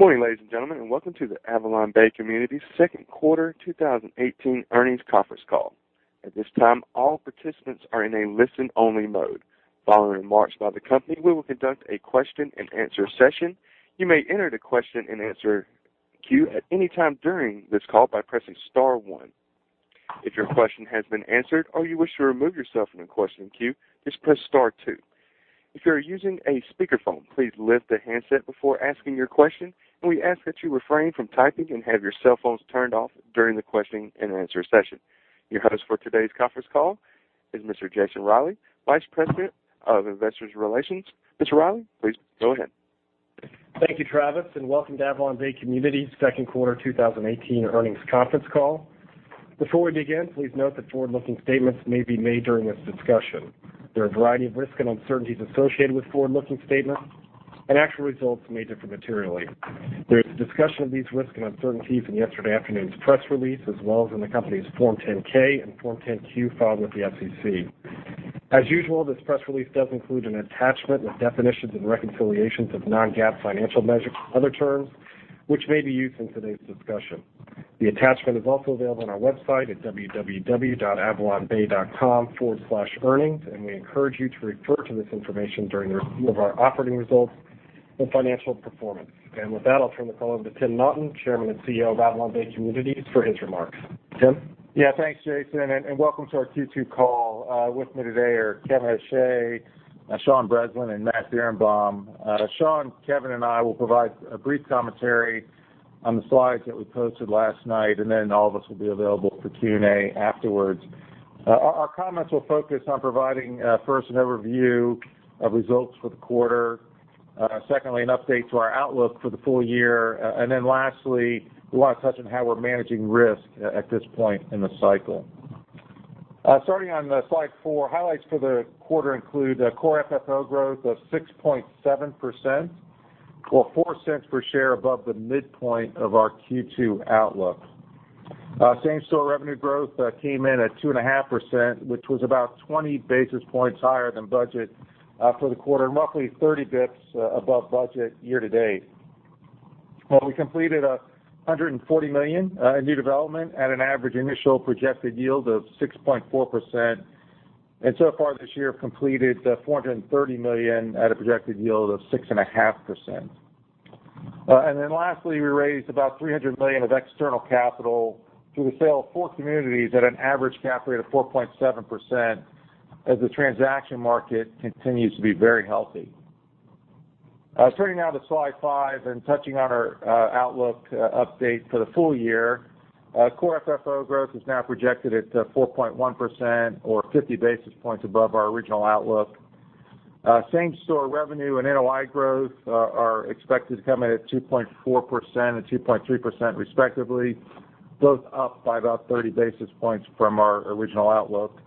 Good morning, ladies and gentlemen, and welcome to the AvalonBay Communities' second quarter 2018 earnings conference call. At this time, all participants are in a listen-only mode. Following remarks by the company, we will conduct a question and answer session. You may enter the question and answer queue at any time during this call by pressing star 1. If your question has been answered or you wish to remove yourself from the question queue, just press star 2. If you are using a speakerphone, please lift the handset before asking your question, and we ask that you refrain from typing and have your cell phones turned off during the question and answer session. Your host for today's conference call is Mr. Jason Reilley, Vice President of Investor Relations. Mr. Reilley, please go ahead. Thank you, Travis, and welcome to AvalonBay Communities' second quarter 2018 earnings conference call. Before we begin, please note that forward-looking statements may be made during this discussion. There are a variety of risks and uncertainties associated with forward-looking statements, and actual results may differ materially. There is a discussion of these risks and uncertainties in yesterday afternoon's press release, as well as in the company's Form 10-K and Form 10-Q filed with the SEC. As usual, this press release does include an attachment with definitions and reconciliations of non-GAAP financial measures and other terms which may be used in today's discussion. The attachment is also available on our website at www.avalonbay.com/earnings, and we encourage you to refer to this information during the review of our operating results and financial performance. With that, I'll turn the call over to Tim Naughton, Chairman and Chief Executive Officer of AvalonBay Communities, for his remarks. Tim? Thanks, Jason, and welcome to our Q2 call. With me today are Kevin O'Shea, Sean Breslin, and Matt Birenbaum. Sean, Kevin, and I will provide a brief commentary on the slides that we posted last night, and then all of us will be available for Q&A afterwards. Our comments will focus on providing first, an overview of results for the quarter. Secondly, an update to our outlook for the full year. Lastly, we want to touch on how we're managing risk at this point in the cycle. Starting on slide 4, highlights for the quarter include core FFO growth of 6.7%, or $0.04 per share above the midpoint of our Q2 outlook. Same-store revenue growth came in at 2.5%, which was about 20 basis points higher than budget for the quarter, and roughly 30 bps above budget year-to-date. We completed $140 million in new development at an average initial projected yield of 6.4%. So far this year have completed $430 million at a projected yield of 6.5%. Lastly, we raised about $300 million of external capital through the sale of four communities at an average cap rate of 4.7% as the transaction market continues to be very healthy. Turning now to slide five and touching on our outlook update for the full year. Core FFO growth is now projected at 4.1%, or 50 basis points above our original outlook. Same-store revenue and NOI growth are expected to come in at 2.4% and 2.3% respectively, both up by about 30 basis points from our original outlook.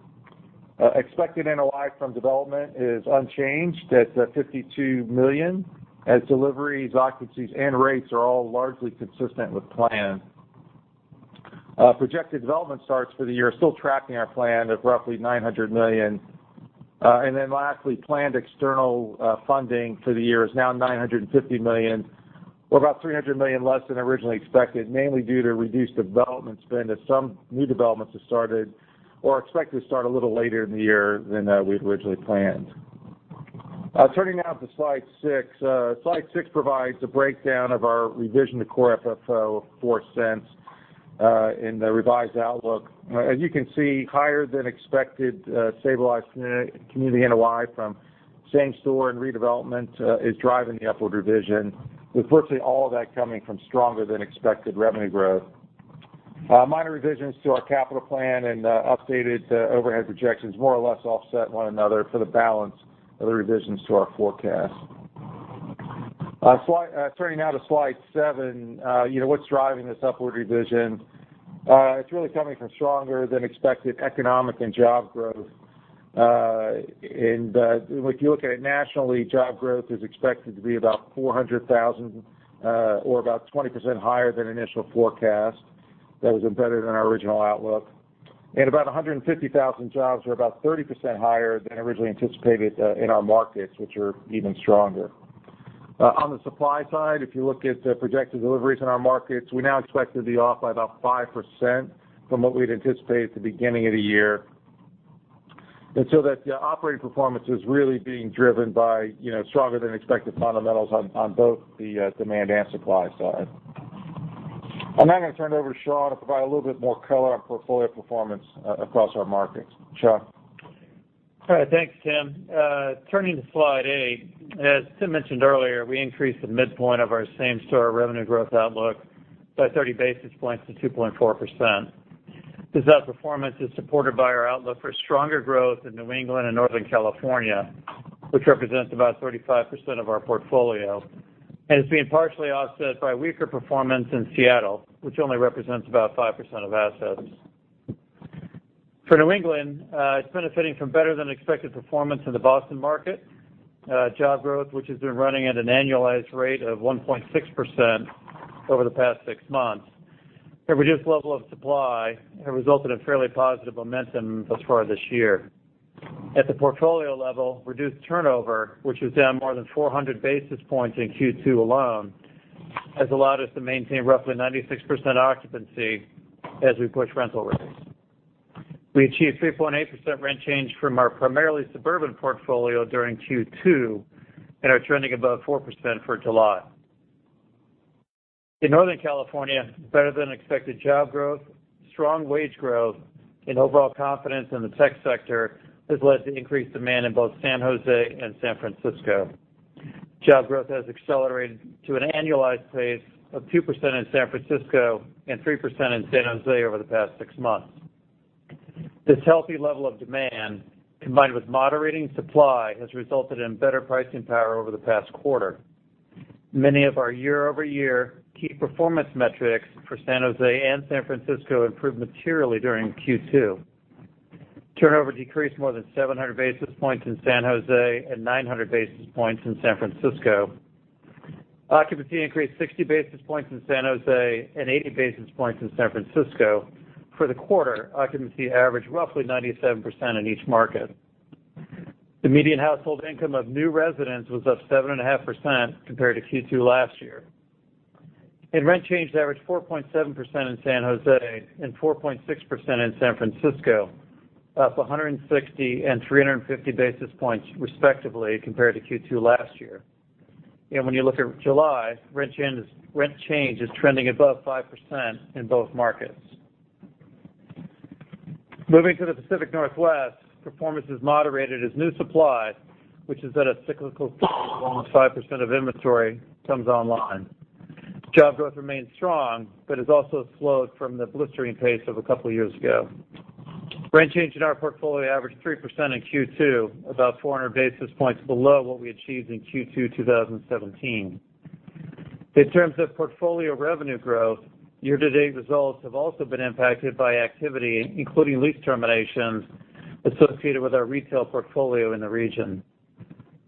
Expected NOI from development is unchanged at $52 million as deliveries, occupancies, and rates are all largely consistent with plan. Projected development starts for the year are still tracking our plan of roughly $900 million. Lastly, planned external funding for the year is now $950 million, or about $300 million less than originally expected, mainly due to reduced development spend as some new developments have started or are expected to start a little later in the year than we'd originally planned. Turning now to slide six. Slide six provides a breakdown of our revision to core FFO of $0.04 in the revised outlook. As you can see, higher than expected stabilized community NOI from same store and redevelopment is driving the upward revision, with virtually all of that coming from stronger than expected revenue growth. Minor revisions to our capital plan and updated overhead projections more or less offset one another for the balance of the revisions to our forecast. Turning now to slide seven. What's driving this upward revision? It's really coming from stronger than expected economic and job growth. If you look at it nationally, job growth is expected to be about 400,000, or about 20% higher than initial forecast. That was embedded in our original outlook. About 150,000 jobs are about 30% higher than originally anticipated in our markets, which are even stronger. On the supply side, if you look at projected deliveries in our markets, we now expect to be off by about 5% from what we had anticipated at the beginning of the year. That operating performance is really being driven by stronger than expected fundamentals on both the demand and supply side. I'm now going to turn it over to Sean to provide a little bit more color on portfolio performance across our markets. Sean? All right. Thanks, Tim. Turning to slide eight. As Tim mentioned earlier, we increased the midpoint of our same store revenue growth outlook by 30 basis points to 2.4%. This outperformance is supported by our outlook for stronger growth in New England and Northern California, which represents about 35% of our portfolio, and is being partially offset by weaker performance in Seattle, which only represents about 5% of assets. For New England, it's benefiting from better than expected performance in the Boston market. Job growth, which has been running at an annualized rate of 1.6% over the past six months, and reduced level of supply have resulted in fairly positive momentum thus far this year. At the portfolio level, reduced turnover, which was down more than 400 basis points in Q2 alone, has allowed us to maintain roughly 96% occupancy as we push rental rates. We achieved 3.8% rent change from our primarily suburban portfolio during Q2 and are trending above 4% for July. In Northern California, better-than-expected job growth, strong wage growth, and overall confidence in the tech sector has led to increased demand in both San Jose and San Francisco. Job growth has accelerated to an annualized pace of 2% in San Francisco and 3% in San Jose over the past six months. This healthy level of demand, combined with moderating supply, has resulted in better pricing power over the past quarter. Many of our year-over-year key performance metrics for San Jose and San Francisco improved materially during Q2. Turnover decreased more than 700 basis points in San Jose and 900 basis points in San Francisco. Occupancy increased 60 basis points in San Jose and 80 basis points in San Francisco. For the quarter, occupancy averaged roughly 97% in each market. The median household income of new residents was up 7.5% compared to Q2 last year. Rent change averaged 4.7% in San Jose and 4.6% in San Francisco, up 160 and 350 basis points respectively compared to Q2 last year. When you look at July, rent change is trending above 5% in both markets. Moving to the Pacific Northwest, performance is moderated as new supply, which is at a cyclical low of 5% of inventory, comes online. Job growth remains strong but has also slowed from the blistering pace of a couple of years ago. Rent change in our portfolio averaged 3% in Q2, about 400 basis points below what we achieved in Q2 2017. In terms of portfolio revenue growth, year-to-date results have also been impacted by activity, including lease terminations associated with our retail portfolio in the region.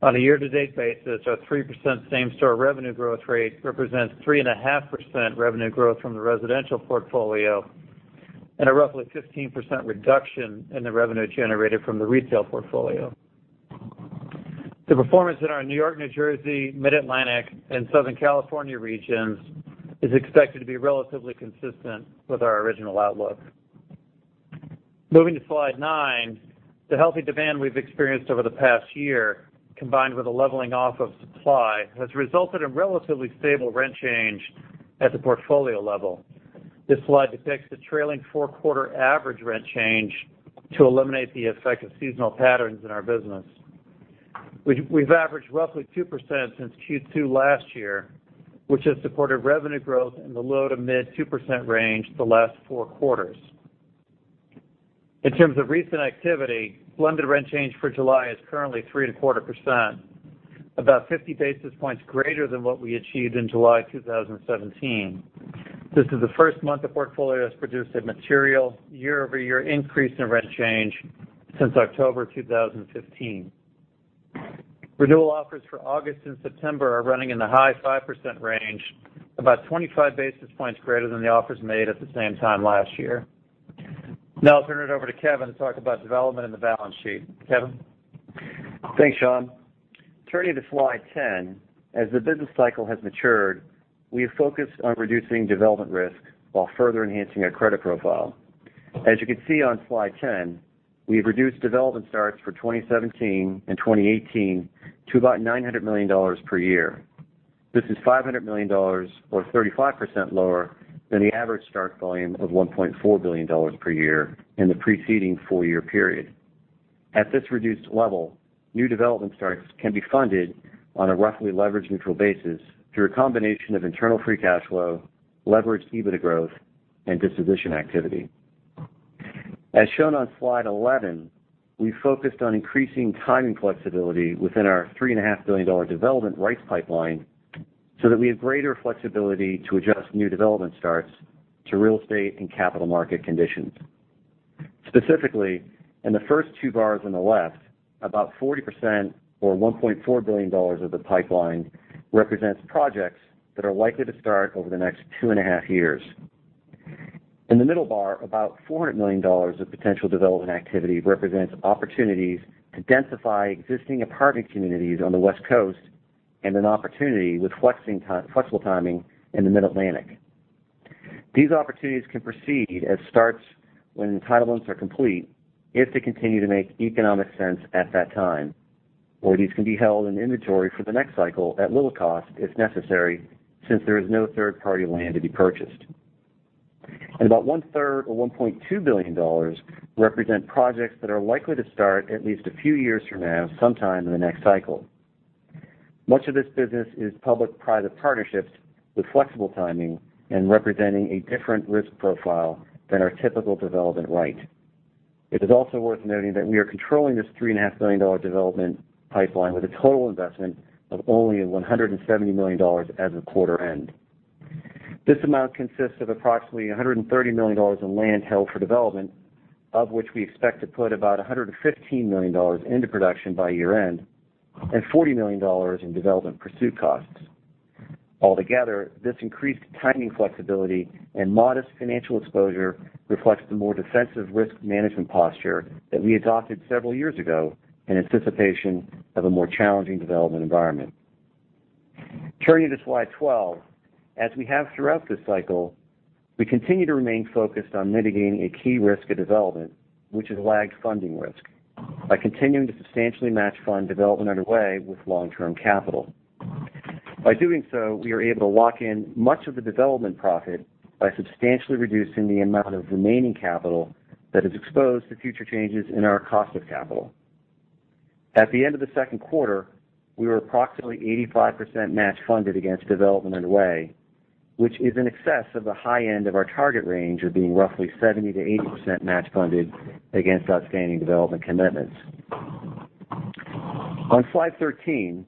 On a year-to-date basis, our 3% same-store revenue growth rate represents 3.5% revenue growth from the residential portfolio and a roughly 15% reduction in the revenue generated from the retail portfolio. The performance in our New York, New Jersey, Mid-Atlantic, and Southern California regions is expected to be relatively consistent with our original outlook. Moving to slide nine, the healthy demand we've experienced over the past year, combined with a leveling off of supply, has resulted in relatively stable rent change at the portfolio level. This slide depicts the trailing four-quarter average rent change to eliminate the effect of seasonal patterns in our business. We've averaged roughly 2% since Q2 last year, which has supported revenue growth in the low to mid 2% range the last four quarters. In terms of recent activity, blended rent change for July is currently 3.25%, about 50 basis points greater than what we achieved in July 2017. This is the first month the portfolio has produced a material year-over-year increase in rent change since October 2015. Renewal offers for August and September are running in the high 5% range, about 25 basis points greater than the offers made at the same time last year. Now I'll turn it over to Kevin to talk about development in the balance sheet. Kevin? Thanks, Sean. Turning to slide 10, as the business cycle has matured, we have focused on reducing development risk while further enhancing our credit profile. As you can see on slide 10, we have reduced development starts for 2017 and 2018 to about $900 million per year. This is $500 million or 35% lower than the average start volume of $1.4 billion per year in the preceding four-year period. At this reduced level, new development starts can be funded on a roughly leverage-neutral basis through a combination of internal free cash flow, leveraged EBITDA growth, and disposition activity. As shown on slide 11, we have focused on increasing timing flexibility within our $3.5 billion development rights pipeline so that we have greater flexibility to adjust new development starts to real estate and capital market conditions. Specifically, in the first two bars on the left, about 40% or $1.4 billion of the pipeline represents projects that are likely to start over the next two and a half years. In the middle bar, about $400 million of potential development activity represents opportunities to densify existing apartment communities on the West Coast and an opportunity with flexible timing in the Mid-Atlantic. These opportunities can proceed as starts when entitlements are complete if they continue to make economic sense at that time, or these can be held in inventory for the next cycle at little cost if necessary since there is no third-party land to be purchased. About one-third or $1.2 billion represent projects that are likely to start at least a few years from now, sometime in the next cycle. Much of this business is public-private partnerships with flexible timing and representing a different risk profile than our typical development right. It is also worth noting that we are controlling this $3.5 billion development pipeline with a total investment of only $170 million as of quarter end. This amount consists of approximately $130 million in land held for development, of which we expect to put about $115 million into production by year-end and $40 million in development pursuit costs. Altogether, this increased timing flexibility and modest financial exposure reflects the more defensive risk management posture that we adopted several years ago in anticipation of a more challenging development environment. Turning to slide 12. As we have throughout this cycle, we continue to remain focused on mitigating a key risk of development, which is lagged funding risk, by continuing to substantially match fund development underway with long-term capital. By doing so, we are able to lock in much of the development profit by substantially reducing the amount of remaining capital that is exposed to future changes in our cost of capital. At the end of the second quarter, we were approximately 85% match funded against development underway, which is in excess of the high end of our target range of being roughly 70%-80% match funded against outstanding development commitments. On slide 13,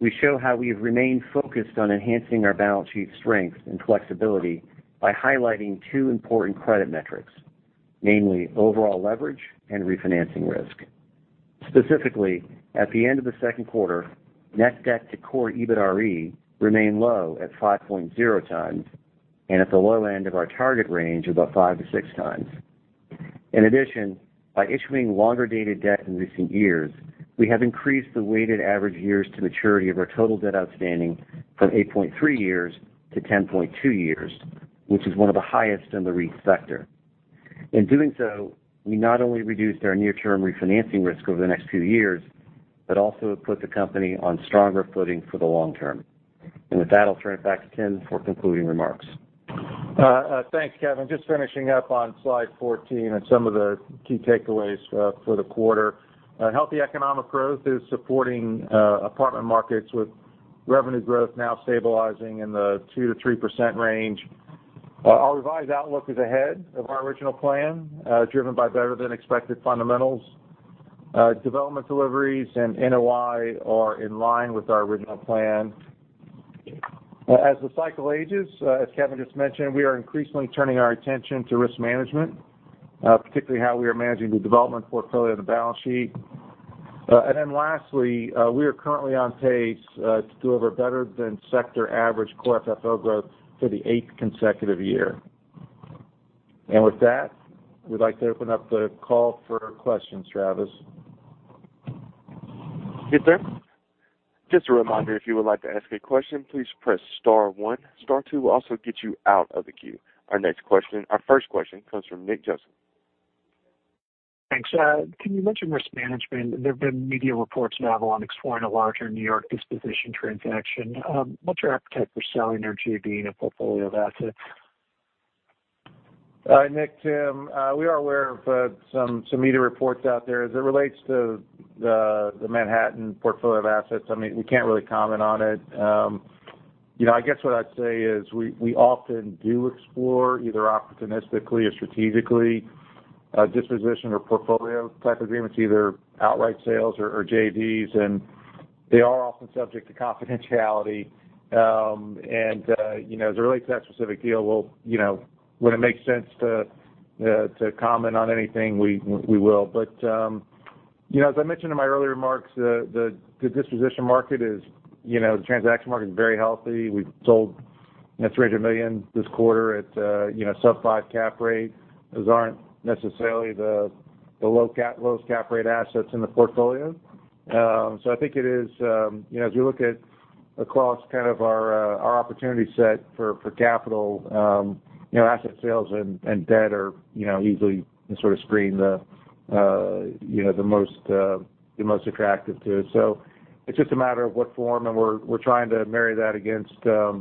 we show how we have remained focused on enhancing our balance sheet strength and flexibility by highlighting two important credit metrics, namely overall leverage and refinancing risk. Specifically, at the end of the second quarter, net debt to core EBITDARE remained low at 5.0 times and at the low end of our target range of about five to six times. In addition, by issuing longer-dated debt in recent years, we have increased the weighted average years to maturity of our total debt outstanding from 8.3 years to 10.2 years, which is one of the highest in the REIT sector. In doing so, we not only reduced our near-term refinancing risk over the next few years, but also have put the company on stronger footing for the long term. With that, I'll turn it back to Tim for concluding remarks. Thanks, Kevin. Just finishing up on slide 14 and some of the key takeaways for the quarter. Healthy economic growth is supporting apartment markets with revenue growth now stabilizing in the 2%-3% range. Our revised outlook is ahead of our original plan, driven by better-than-expected fundamentals. Development deliveries and NOI are in line with our original plan. As the cycle ages, as Kevin just mentioned, we are increasingly turning our attention to risk management, particularly how we are managing the development portfolio on the balance sheet. Then lastly, we are currently on pace to deliver better than sector average core FFO growth for the eighth consecutive year. With that, we'd like to open up the call for questions. Travis? Yes, sir. Just a reminder, if you would like to ask a question, please press star one. Star two will also get you out of the queue. Our first question comes from Nick Joseph. Thanks. Can you mention risk management? There've been media reports now of Avalon exploring a larger New York disposition transaction. What's your appetite for selling there to being a portfolio of assets? Nick, Tim. We are aware of some media reports out there as it relates to the Manhattan portfolio of assets. We can't really comment on it. I guess what I'd say is we often do explore, either opportunistically or strategically, disposition or portfolio-type agreements, either outright sales or JVs, and they are often subject to confidentiality. As it relates to that specific deal, when it makes sense to comment on anything, we will. As I mentioned in my earlier remarks, the disposition market, the transaction market is very healthy. We've sold in excess of $1 million this quarter at a sub five cap rate. Those aren't necessarily the lowest cap rate assets in the portfolio. As we look at across kind of our opportunity set for capital, asset sales and debt are easily sort of screen the most attractive to. It's just a matter of what form, and we're trying to marry that against our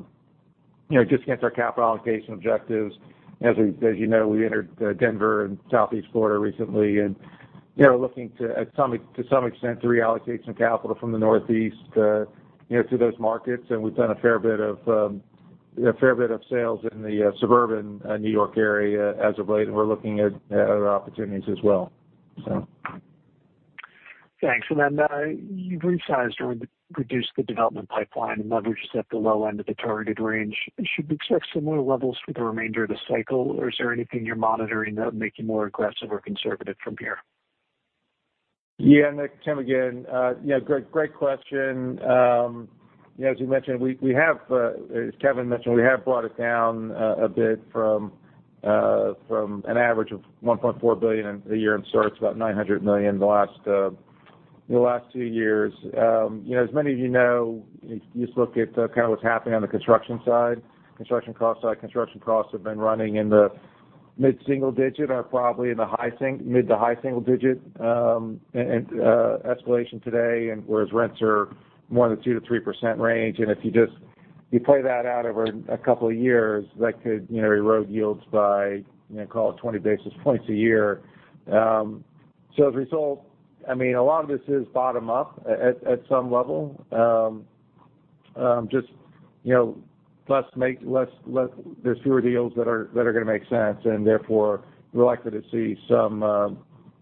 capital allocation objectives. As you know, we entered Denver and Southeast Florida recently, and looking to some extent to reallocate some capital from the Northeast to those markets. We've done a fair bit of sales in the suburban New York area as of late, and we're looking at other opportunities as well. Thanks. You've resized or reduced the development pipeline and leverage is at the low end of the targeted range. Should we expect similar levels for the remainder of the cycle? Is there anything you're monitoring that would make you more aggressive or conservative from here? Nick. Tim again. Great question. As Kevin mentioned, we have brought it down a bit from an average of $1.4 billion a year in starts, about $900 million in the last two years. As many of you know, you just look at kind of what's happening on the construction side, construction cost side. Construction costs have been running in the mid-single digit, or probably in the mid-to-high single digit escalation today, whereas rents are more in the 2%-3% range. If you just play that out over a couple of years, that could erode yields by call it 20 basis points a year. As a result, a lot of this is bottom-up at some level. There's fewer deals that are going to make sense. Therefore, we're likely to see some of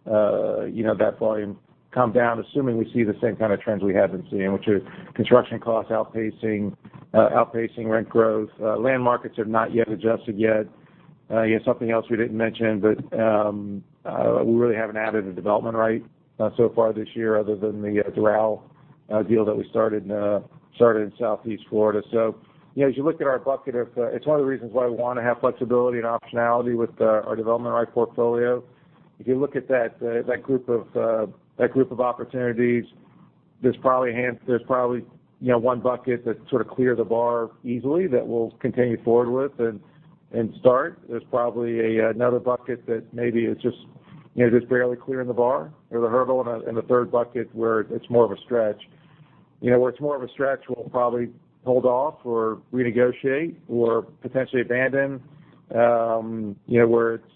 that volume come down, assuming we see the same kind of trends we have been seeing, which is construction costs outpacing rent growth. Land markets have not yet adjusted yet. Something else we didn't mention, but we really haven't added a development right so far this year other than the Doral deal that we started in Southeast Florida. As you look at our bucket, it's one of the reasons why we want to have flexibility and optionality with our development right portfolio. If you look at that group of opportunities, there's probably one bucket that sort of cleared the bar easily that we'll continue forward with and start. There's probably another bucket that maybe it just barely clearing the bar or the hurdle, and a third bucket where it's more of a stretch. Where it's more of a stretch, we'll probably hold off or renegotiate or potentially abandon. Where it's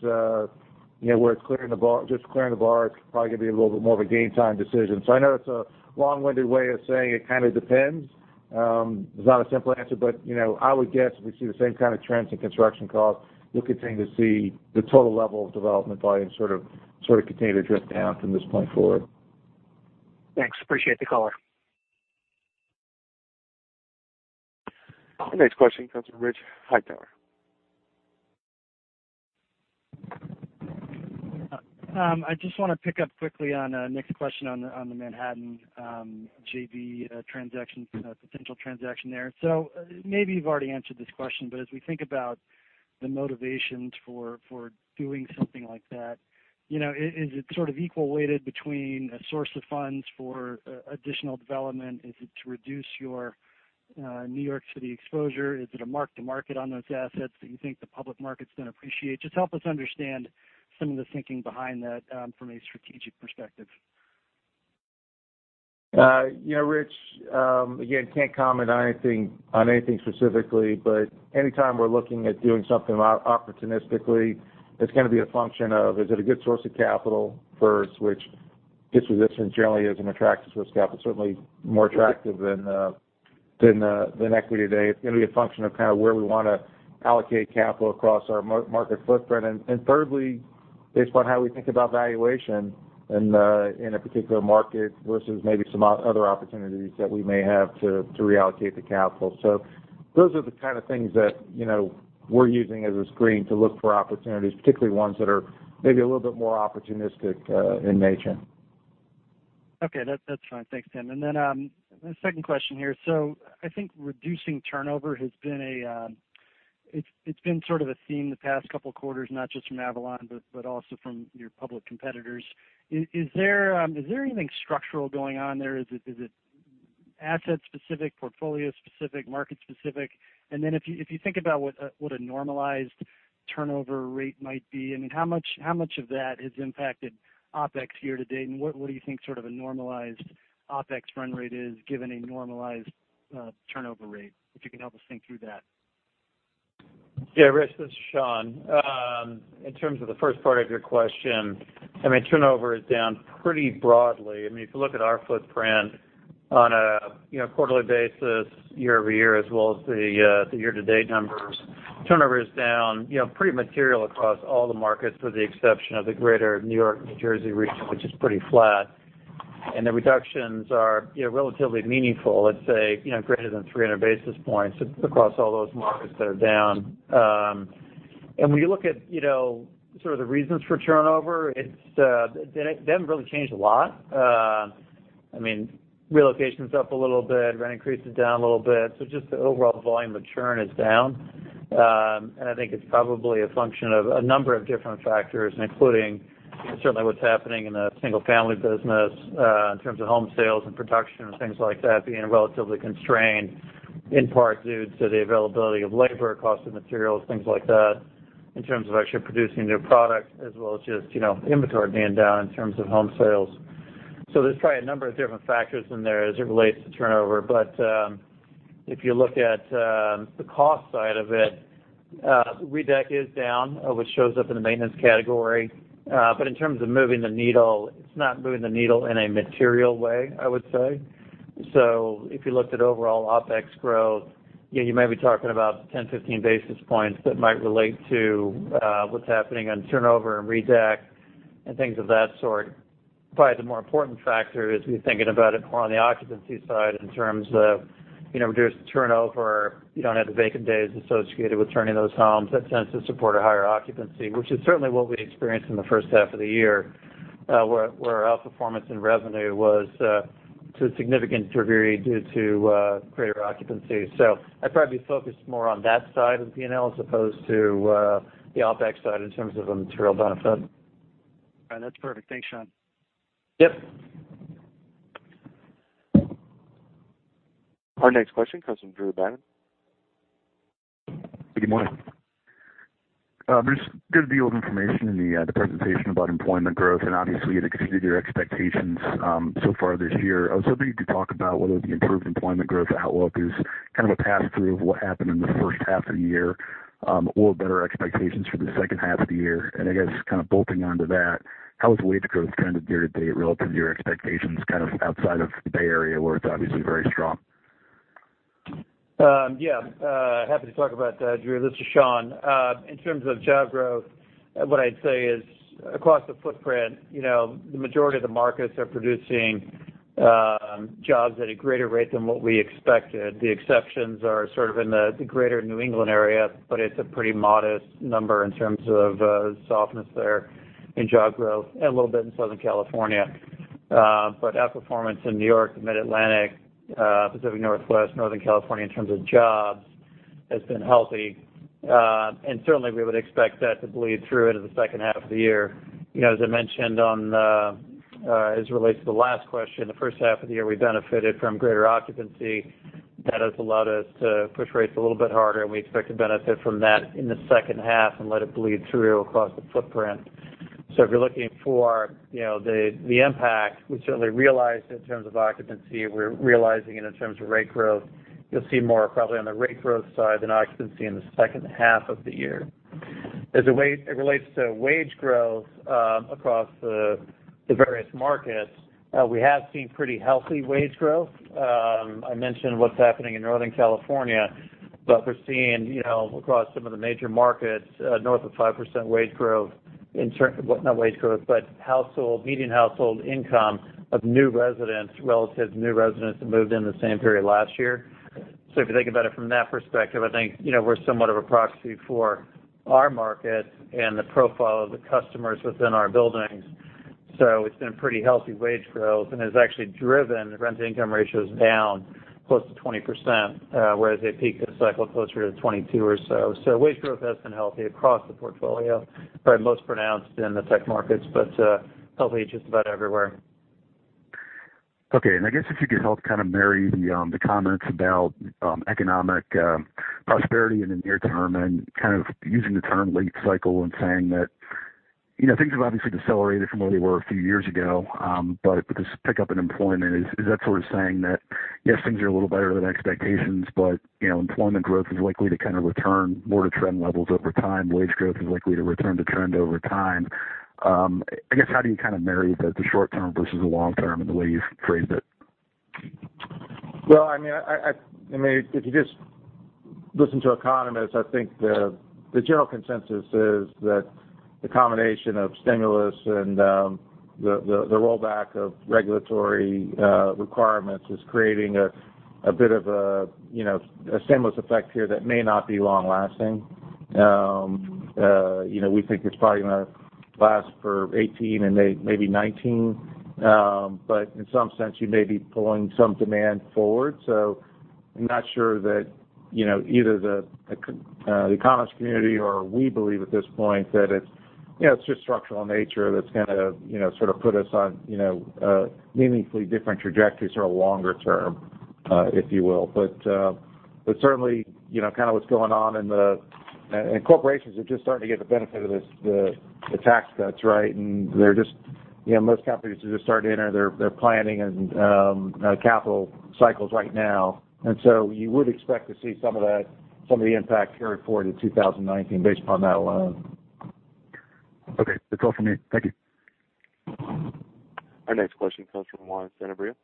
just clearing the bar, it's probably going to be a little bit more of a game time decision. I know it's a long-winded way of saying it kind of depends. It's not a simple answer, but I would guess if we see the same kind of trends in construction costs, you'll continue to see the total level of development volume sort of continue to drift down from this point forward. Thanks. Appreciate the color. Our next question comes from Richard Hightower. I just want to pick up quickly on Nick's question on the Manhattan JV potential transaction there. Maybe you've already answered this question, but as we think about the motivations for doing something like that, is it sort of equal weighted between a source of funds for additional development? Is it to reduce your New York City exposure? Is it a mark to market on those assets that you think the public market's going to appreciate? Just help us understand some of the thinking behind that from a strategic perspective. Rich, again, can't comment on anything specifically, but anytime we're looking at doing something opportunistically, it's going to be a function of, is it a good source of capital first, which this position generally isn't attractive source of capital, certainly more attractive than equity today. It's going to be a function of kind of where we want to allocate capital across our market footprint. Thirdly, based upon how we think about valuation in a particular market versus maybe some other opportunities that we may have to reallocate the capital. Those are the kind of things that we're using as a screen to look for opportunities, particularly ones that are maybe a little bit more opportunistic in nature. Okay. That's fine. Thanks, Tim. My second question here. I think reducing turnover has been sort of a theme the past couple of quarters, not just from Avalon, but also from your public competitors. Is there anything structural going on there? Is it asset specific, portfolio specific, market specific? Then if you think about what a normalized turnover rate might be, I mean, how much of that has impacted OpEx year-to-date, and what do you think sort of a normalized OpEx run rate is given a normalized turnover rate? If you can help us think through that. Yeah, Rich, this is Sean. In terms of the first part of your question, I mean, turnover is down pretty broadly. I mean, if you look at our footprint on a quarterly basis year-over-year as well as the year-to-date numbers, turnover is down pretty material across all the markets with the exception of the greater New York, New Jersey region, which is pretty flat. The reductions are relatively meaningful, let's say, greater than 300 basis points across all those markets that are down. When you look at sort of the reasons for turnover, it's didn't really change a lot. I mean, relocation's up a little bit, rent increase is down a little bit. Just the overall volume of churn is down. I think it's probably a function of a number of different factors, including certainly what's happening in the single-family business in terms of home sales and production and things like that being relatively constrained in part due to the availability of labor, cost of materials, things like that in terms of actually producing new product as well as just inventory being down in terms of home sales. There's probably a number of different factors in there as it relates to turnover. But if you look at the cost side of it, REDAC is down, which shows up in the maintenance category. But in terms of moving the needle, it's not moving the needle in a material way, I would say. If you looked at overall OpEx growth, you may be talking about 10, 15 basis points that might relate to what's happening on turnover and REDAC and things of that sort. Probably the more important factor is we're thinking about it more on the occupancy side in terms of reduced turnover. You don't have the vacant days associated with turning those homes. That tends to support a higher occupancy, which is certainly what we experienced in the first half of the year where our outperformance in revenue was to a significant degree due to greater occupancy. I'd probably be focused more on that side of the P&L as opposed to the OpEx side in terms of a material benefit. All right. That's perfect. Thanks, Sean. Yep. Our next question comes from Drew Babin. Good morning. There's good deal of information in the presentation about employment growth, obviously it exceeded your expectations so far this year. I was hoping you could talk about whether the improved employment growth outlook is kind of a pass-through of what happened in the first half of the year or better expectations for the second half of the year. I guess kind of bolting onto that, how has wage growth trended year to date relative to your expectations, kind of outside of the Bay Area where it's obviously very strong? Yeah. Happy to talk about that, Drew. This is Sean. In terms of job growth, what I'd say is across the footprint, the majority of the markets are producing jobs at a greater rate than what we expected. The exceptions are sort of in the greater New England area, but it's a pretty modest number in terms of softness there in job growth, a little bit in Southern California. Out-performance in New York, the Mid-Atlantic, Pacific Northwest, Northern California in terms of jobs has been healthy. Certainly, we would expect that to bleed through into the second half of the year. As I mentioned as it relates to the last question, the first half of the year, we benefited from greater occupancy. That has allowed us to push rates a little bit harder, we expect to benefit from that in the second half and let it bleed through across the footprint. If you're looking for the impact we certainly realized in terms of occupancy, we're realizing it in terms of rate growth. You'll see more probably on the rate growth side than occupancy in the second half of the year. As it relates to wage growth across the various markets, we have seen pretty healthy wage growth. I mentioned what's happening in Northern California, but we're seeing across some of the major markets, north of 5% wage growth. Not wage growth, but median household income of new residents relative to new residents that moved in the same period last year. If you think about it from that perspective, I think we're somewhat of a proxy for our market and the profile of the customers within our buildings. It's been pretty healthy wage growth, has actually driven rent-to-income ratios down close to 20%, whereas they peaked the cycle closer to 22% or so. Wage growth has been healthy across the portfolio, probably most pronounced in the tech markets. Healthy just about everywhere. Okay. I guess if you could help kind of marry the comments about economic prosperity in the near term and kind of using the term late cycle and saying that things have obviously decelerated from where they were a few years ago. With this pickup in employment, is that sort of saying that, yes, things are a little better than expectations, but employment growth is likely to kind of return more to trend levels over time, wage growth is likely to return to trend over time? I guess. How do you kind of marry the short term versus the long term in the way you've phrased it? Well, if you just listen to economists, I think the general consensus is that the combination of stimulus and the rollback of regulatory requirements is creating a bit of a stimulus effect here that may not be long-lasting. We think it's probably going to last for 2018 and maybe 2019. In some sense, you may be pulling some demand forward. I'm not sure that either the economist community or we believe at this point that it's just structural in nature that's going to sort of put us on meaningfully different trajectories for a longer term, if you will. Certainly, corporations are just starting to get the benefit of the tax cuts, right? Most companies are just starting to enter their planning and capital cycles right now. You would expect to see some of the impact carried forward in 2019 based upon that alone. Okay. That's all from me. Thank you. Our next question comes from Juan Sanabria.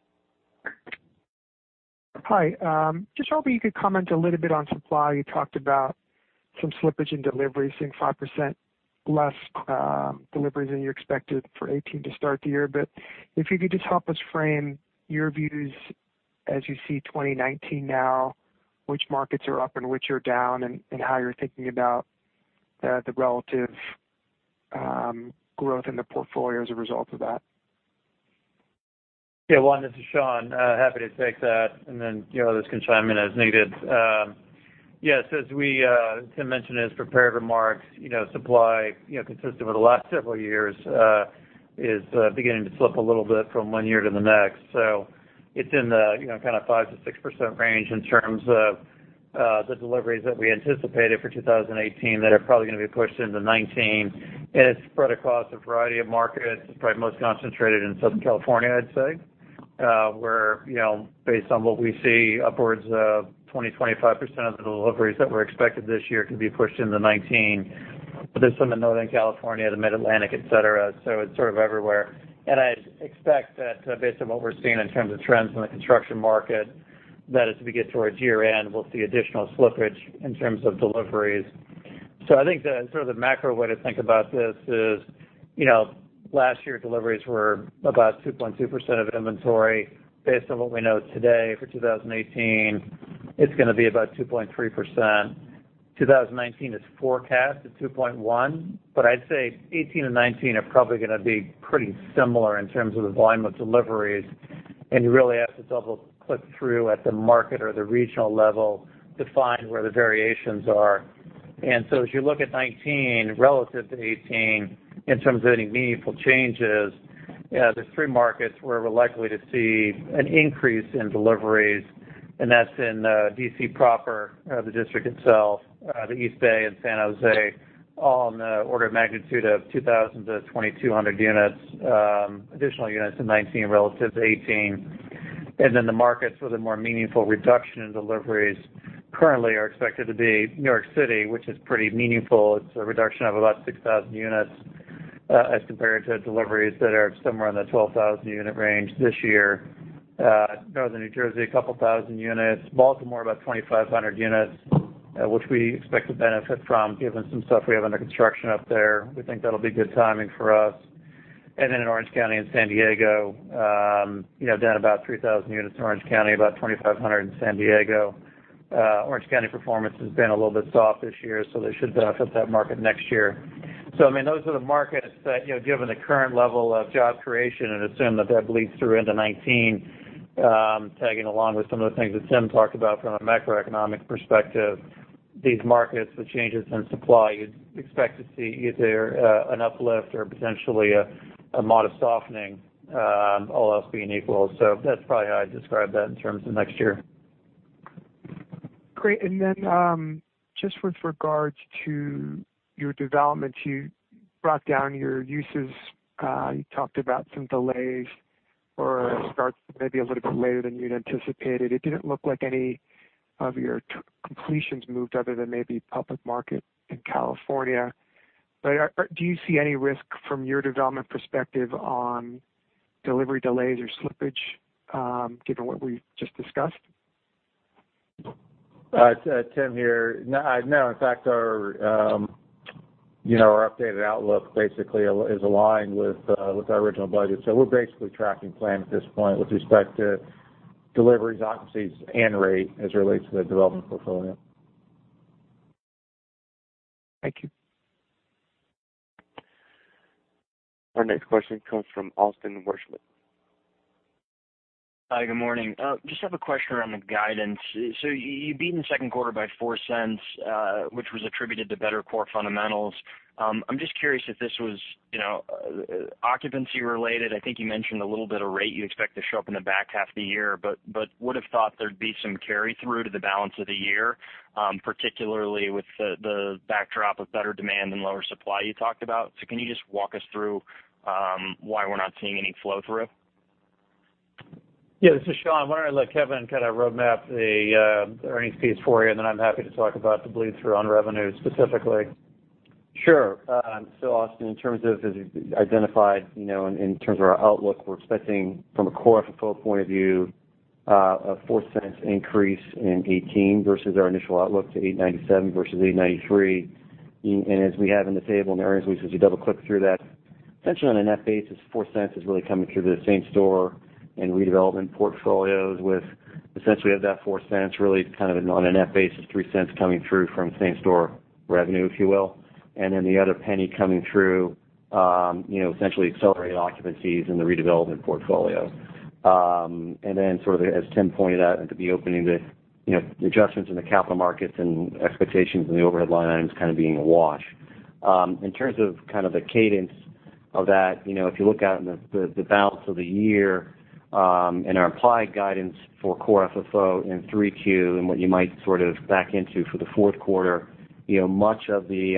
Hi. Just hoping you could comment a little bit on supply. You talked about some slippage in deliveries, seeing 5% less deliveries than you expected for 2018 to start the year. If you could just help us frame your views as you see 2019 now, which markets are up and which are down, and how you're thinking about the relative growth in the portfolio as a result of that. Juan, this is Sean. Happy to take that, and then [inaudible] can chime in as needed. Yes, as Tim mentioned in his prepared remarks, supply, consistent with the last several years, is beginning to slip a little bit from one year to the next. It's in the kind of 5%-6% range in terms of the deliveries that we anticipated for 2018 that are probably going to be pushed into 2019. It's spread across a variety of markets. It's probably most concentrated in Southern California, I'd say, where based on what we see, upwards of 20%, 25% of the deliveries that were expected this year could be pushed into 2019. There's some in Northern California, the Mid-Atlantic, et cetera, it's sort of everywhere. I'd expect that based on what we're seeing in terms of trends in the construction market, that as we get towards year-end, we'll see additional slippage in terms of deliveries. I think the sort of the macro way to think about this is last year, deliveries were about 2.2% of inventory. Based on what we know today for 2018, it's going to be about 2.3%. 2019 is forecast at 2.1%, I'd say 2018 and 2019 are probably going to be pretty similar in terms of the volume of deliveries. You really have to double-click through at the market or the regional level to find where the variations are. As you look at 2019 relative to 2018 in terms of any meaningful changes, there's three markets where we're likely to see an increase in deliveries, and that's in D.C. proper, the district itself, the East Bay, and San Jose, all on the order of magnitude of 2,000-2,200 additional units in 2019 relative to 2018. The markets with a more meaningful reduction in deliveries currently are expected to be New York City, which is pretty meaningful. It's a reduction of about 6,000 units as compared to deliveries that are somewhere in the 12,000-unit range this year. Northern New Jersey, a couple thousand units. Baltimore, about 2,500 units. We expect to benefit from given some stuff we have under construction up there. We think that'll be good timing for us. In Orange County and San Diego, down about 3,000 units in Orange County, about 2,500 in San Diego. Orange County performance has been a little bit soft this year, they should benefit that market next year. I mean, those are the markets that, given the current level of job creation and assume that that bleeds through into 2019, tagging along with some of the things that Tim talked about from a macroeconomic perspective, these markets with changes in supply, you'd expect to see either an uplift or potentially a modest softening, all else being equal. That's probably how I'd describe that in terms of next year. Great. Just with regards to your developments, you brought down your uses. You talked about some delays or starts maybe a little bit later than you'd anticipated. It didn't look like any of your completions moved, other than maybe Public Market in California. Do you see any risk from your development perspective on delivery delays or slippage, given what we've just discussed? Tim here. No. In fact, our updated outlook basically is aligned with our original budget. We're basically tracking plan at this point with respect to deliveries, occupancies, and rate as it relates to the development portfolio. Thank you. Our next question comes from Austin Wurschmidt. Hi, good morning. Just have a question around the guidance. You beat in the second quarter by $0.04, which was attributed to better core fundamentals. I'm just curious if this was occupancy related. I think you mentioned a little bit of rate you expect to show up in the back half of the year, but would've thought there'd be some carry-through to the balance of the year, particularly with the backdrop of better demand and lower supply you talked about. Can you just walk us through why we're not seeing any flow-through? Yeah, this is Sean. Why don't I let Kevin kind of roadmap the earnings piece for you, and then I'm happy to talk about the bleed-through on revenue specifically. Sure. Austin Wurschmidt, in terms of, as you identified, in terms of our outlook, we are expecting from a core FFO point of view, a $0.04 increase in 2018 versus our initial outlook to $8.97 versus $8.93. As we have in the table in the earnings release, as you double-click through that, essentially on a net basis, $0.04 is really coming through the same-store and redevelopment portfolios with essentially of that $0.04, really kind of on a net basis, $0.03 coming through from same-store revenue, if you will. The other $0.01 coming through essentially accelerated occupancies in the redevelopment portfolio. As Tim Naughton pointed out, it could be opening the adjustments in the capital markets and expectations in the overhead line items kind of being awash. In terms of kind of the cadence of that, if you look out in the balance of the year, our implied guidance for core FFO in 3Q and what you might sort of back into for the fourth quarter, much of the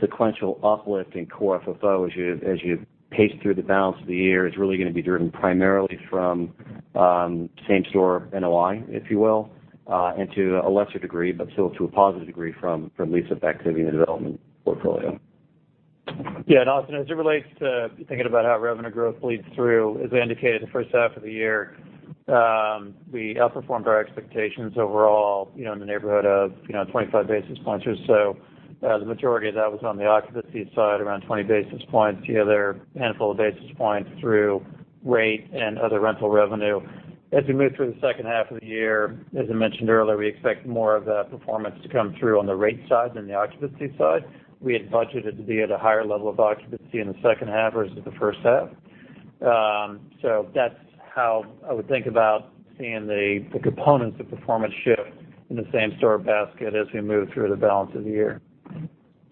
sequential uplift in core FFO as you pace through the balance of the year is really going to be driven primarily from same-store NOI, if you will, and to a lesser degree, but still to a positive degree from lease-up activity in the development portfolio. Austin Wurschmidt, as it relates to thinking about how revenue growth bleeds through, as I indicated, the first half of the year, we outperformed our expectations overall in the neighborhood of 25 basis points or so. The majority of that was on the occupancy side, around 20 basis points. The other handful of basis points through rate and other rental revenue. As we move through the second half of the year, as I mentioned earlier, we expect more of that performance to come through on the rate side than the occupancy side. We had budgeted to be at a higher level of occupancy in the second half versus the first half. That is how I would think about seeing the components of performance shift in the same-store basket as we move through the balance of the year.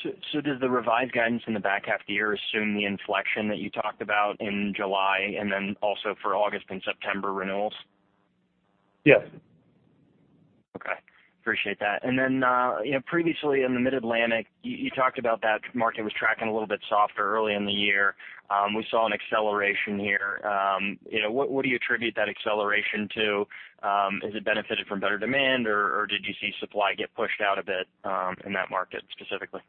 Does the revised guidance in the back half of the year assume the inflection that you talked about in July, and also for August and September renewals? Yes. Okay. Appreciate that. Previously in the Mid-Atlantic, you talked about that market was tracking a little bit softer early in the year. We saw an acceleration here. What do you attribute that acceleration to? Has it benefited from better demand, or did you see supply get pushed out a bit in that market specifically?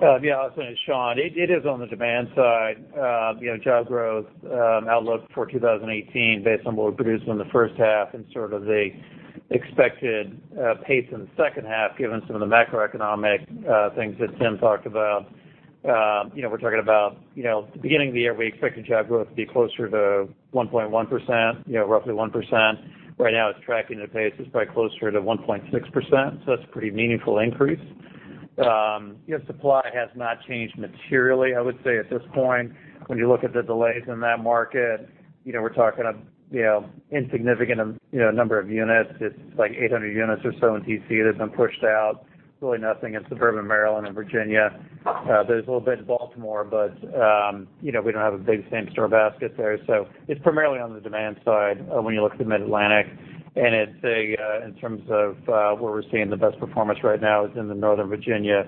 Yeah, Austin, it's Sean. It is on the demand side. Job growth outlook for 2018 based on what we produced in the first half and sort of the expected pace in the second half, given some of the macroeconomic things that Tim talked about. We're talking about the beginning of the year, we expected job growth to be closer to 1.1%, roughly 1%. Right now, it's tracking at a pace that's probably closer to 1.6%, so that's a pretty meaningful increase. Supply has not changed materially, I would say, at this point. When you look at the delays in that market, we're talking an insignificant number of units. It's like 800 units or so in D.C. that's been pushed out. Really nothing in suburban Maryland and Virginia. There's a little bit in Baltimore, but we don't have a big same-store basket there. It's primarily on the demand side when you look at the Mid-Atlantic. In terms of where we're seeing the best performance right now is in the Northern Virginia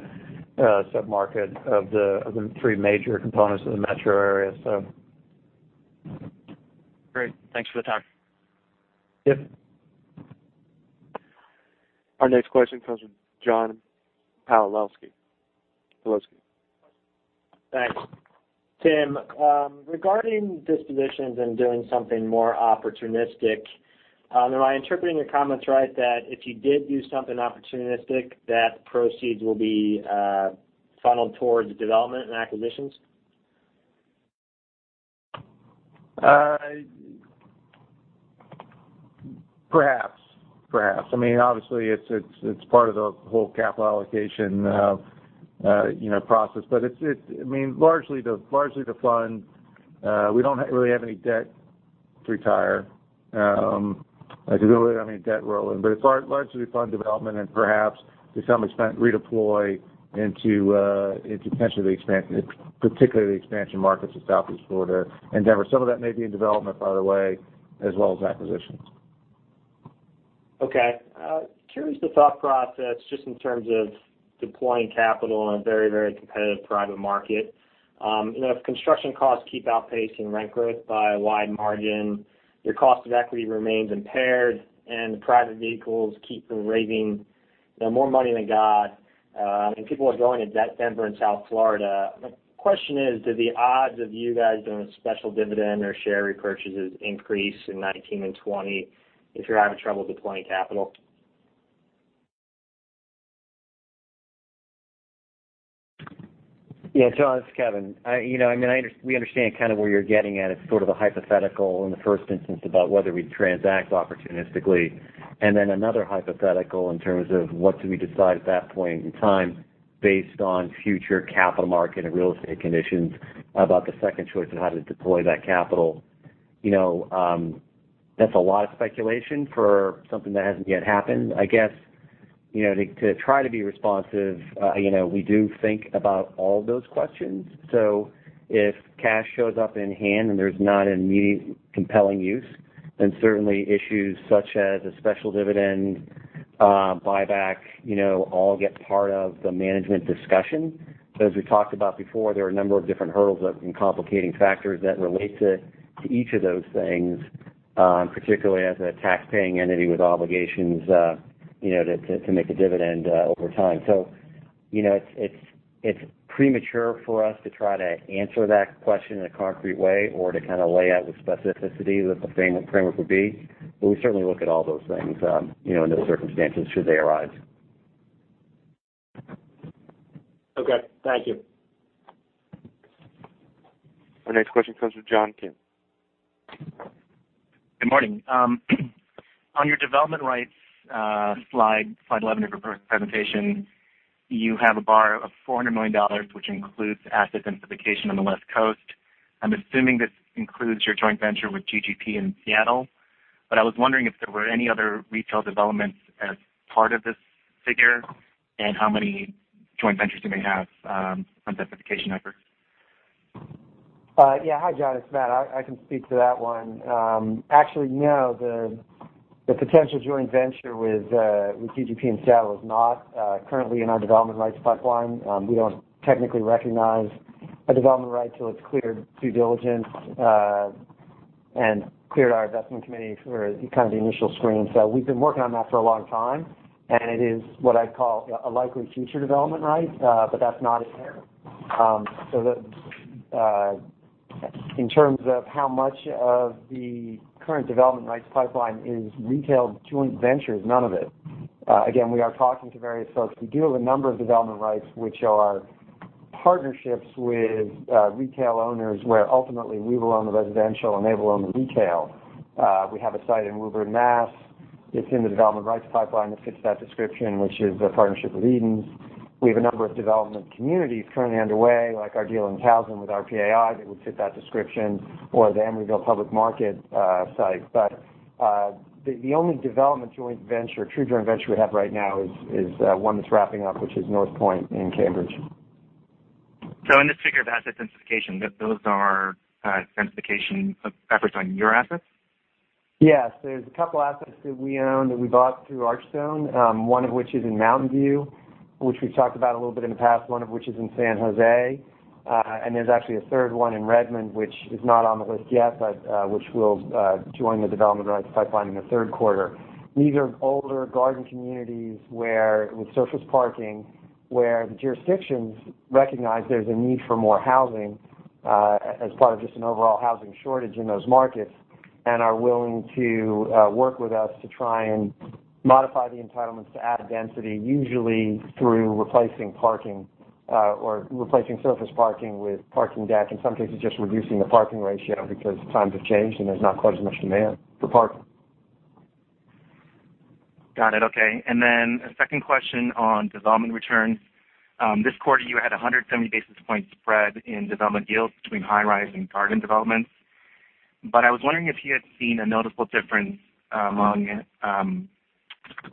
sub-market of the three major components of the metro area. Great. Thanks for the time. Yep. Our next question comes from John Pawlowski. Pawlowski. Thanks. Tim, regarding dispositions and doing something more opportunistic, am I interpreting your comments right that if you did do something opportunistic, that proceeds will be funneled towards development and acquisitions? Perhaps. Obviously, it's part of the whole capital allocation process. Largely to fund, we don't really have any debt to retire. We don't really have any debt rolling, but it's largely to fund development and perhaps to some extent, redeploy into potentially, particularly the expansion markets of Southeast Florida and Denver. Some of that may be in development, by the way, as well as acquisitions. Okay. Curious the thought process, just in terms of deploying capital in a very competitive private market. If construction costs keep outpacing rent growth by a wide margin, your cost of equity remains impaired, and the private vehicles keep raising more money than God, and people are going to Denver and South Florida. My question is, do the odds of you guys doing a special dividend or share repurchases increase in 2019 and 2020 if you're having trouble deploying capital? Yeah, John, this is Kevin. We understand kind of where you're getting at. It's sort of a hypothetical in the first instance about whether we transact opportunistically. Then another hypothetical in terms of what do we decide at that point in time based on future capital market and real estate conditions about the second choice of how to deploy that capital. That's a lot of speculation for something that hasn't yet happened. I guess, to try to be responsive, we do think about all those questions. If cash shows up in hand and there's not an immediate compelling use, then certainly issues such as a special dividend, buyback, all get part of the management discussion. As we talked about before, there are a number of different hurdles and complicating factors that relate to each of those things, particularly as a tax-paying entity with obligations to make a dividend over time. It's premature for us to try to answer that question in a concrete way or to kind of lay out with specificity what the framework would be. We certainly look at all those things in those circumstances should they arise. Okay. Thank you. Our next question comes from John Kim. Good morning. On your development rights slide 11 of your presentation, you have a bar of $400 million, which includes asset densification on the West Coast. I'm assuming this includes your joint venture with GGP in Seattle, I was wondering if there were any other retail developments as part of this figure and how many joint ventures you may have on densification efforts. Yeah. Hi, John, it's Matt. I can speak to that one. Actually, no, the potential joint venture with GGP in Seattle is not currently in our development rights pipeline. We don't technically recognize a development right till it's cleared due diligence, and cleared our investment committee for kind of the initial screen. We've been working on that for a long time, and it is what I'd call a likely future development right. That's not in there. In terms of how much of the current development rights pipeline is retailed joint ventures, none of it. Again, we are talking to various folks. We do have a number of development rights, which are partnerships with retail owners, where ultimately we will own the residential, and they will own the retail. We have a site in Woburn, Mass. It's in the development rights pipeline that fits that description, which is a partnership with EDENS. We have a number of development communities currently underway, like our deal in Towson with RPAI that would fit that description, or the Avalon Public Market site. The only development joint venture, true joint venture we have right now is one that's wrapping up, which is NorthPoint in Cambridge. In this figure of asset densification, those are densification efforts on your assets? Yes. There's a couple assets that we own that we bought through Archstone. One of which is in Mountain View, which we've talked about a little bit in the past, one of which is in San Jose. There's actually a third one in Redmond, which is not on the list yet, but which will join the development rights pipeline in the third quarter. These are older garden communities with surface parking, where the jurisdictions recognize there's a need for more housing, as part of just an overall housing shortage in those markets, and are willing to work with us to try and modify the entitlements to add density, usually through replacing parking, or replacing surface parking with parking deck. In some cases, just reducing the parking ratio because times have changed, and there's not quite as much demand for parking. Got it. Okay. Then a second question on development returns. This quarter, you had 170 basis point spread in development yields between high-rise and garden developments, I was wondering if you had seen a noticeable difference among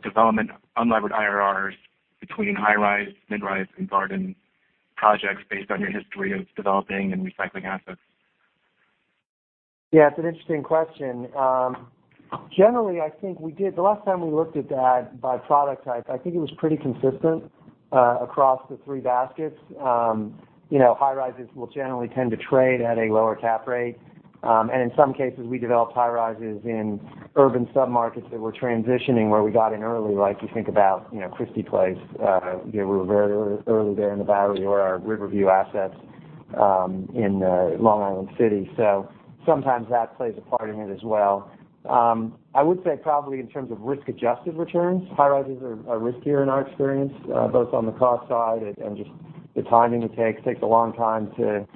development unlevered IRRs between high-rise, mid-rise, and garden projects based on your history of developing and recycling assets. Yeah, it's an interesting question. Generally, I think we did. The last time we looked at that by product type, I think it was pretty consistent across the three baskets. High-rises will generally tend to trade at a lower cap rate. In some cases, we developed high-rises in urban sub-markets that were transitioning where we got in early, like you think about Chrystie Place. We were very early there in the Valley or our Riverview assets. In Long Island City. Sometimes that plays a part in it as well. I would say probably in terms of risk-adjusted returns, high-rises are riskier in our experience, both on the cost side and just the timing it takes. It takes a long time to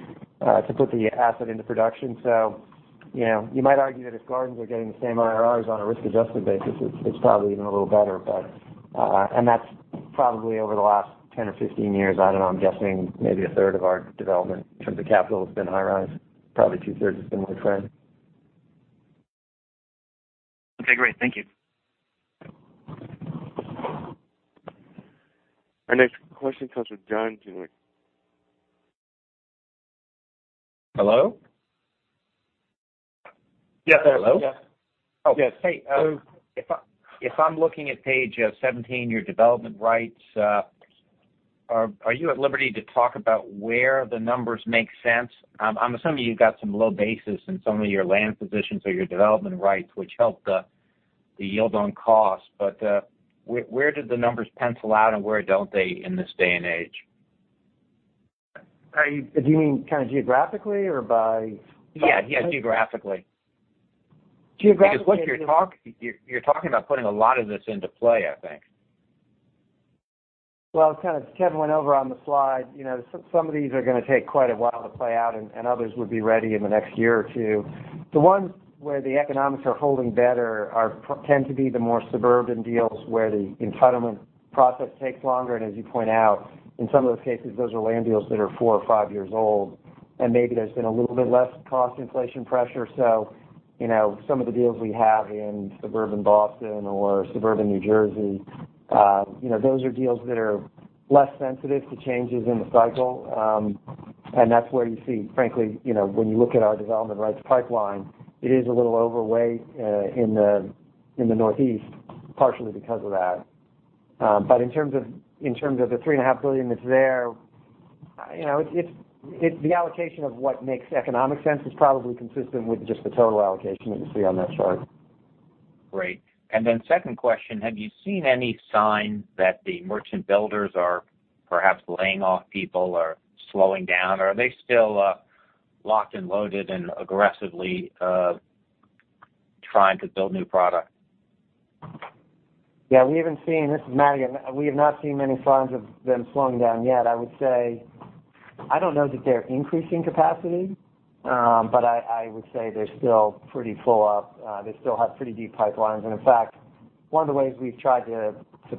put the asset into production. You might argue that if gardens are getting the same IRRs on a risk-adjusted basis, it's probably even a little better. That's probably over the last 10 or 15 years. I don't know, I'm guessing maybe a third of our development in terms of capital has been high-rise. Probably two-thirds has been mid-rise. Okay, great. Thank you. Our next question comes from John Guinee. Hello? Yes. Hello? Yes. Oh, hey. If I'm looking at page 17, your development rights, are you at liberty to talk about where the numbers make sense? I'm assuming you've got some low basis in some of your land positions or your development rights, which help the yield on cost. Where do the numbers pencil out and where don't they in this day and age? Do you mean geographically or by- Yeah. Geographically. Geographically- You're talking about putting a lot of this into play, I think. Well, as Kevin went over on the slide, some of these are going to take quite a while to play out, and others would be ready in the next year or two. The ones where the economics are holding better tend to be the more suburban deals, where the entitlement process takes longer. As you point out, in some of those cases, those are land deals that are four or five years old, and maybe there's been a little bit less cost inflation pressure. Some of the deals we have in suburban Boston or suburban New Jersey, those are deals that are less sensitive to changes in the cycle. That's where you see, frankly, when you look at our development rights pipeline, it is a little overweight in the Northeast partially because of that. In terms of the $3.5 billion that's there, the allocation of what makes economic sense is probably consistent with just the total allocation that you see on that chart. Great. Second question, have you seen any sign that the merchant builders are perhaps laying off people or slowing down, or are they still locked and loaded and aggressively trying to build new product? Yeah, this is Matt Birenbaum again. We have not seen many signs of them slowing down yet. I would say, I don't know that they're increasing capacity, but I would say they're still pretty full up. They still have pretty deep pipelines. In fact, one of the ways we've tried to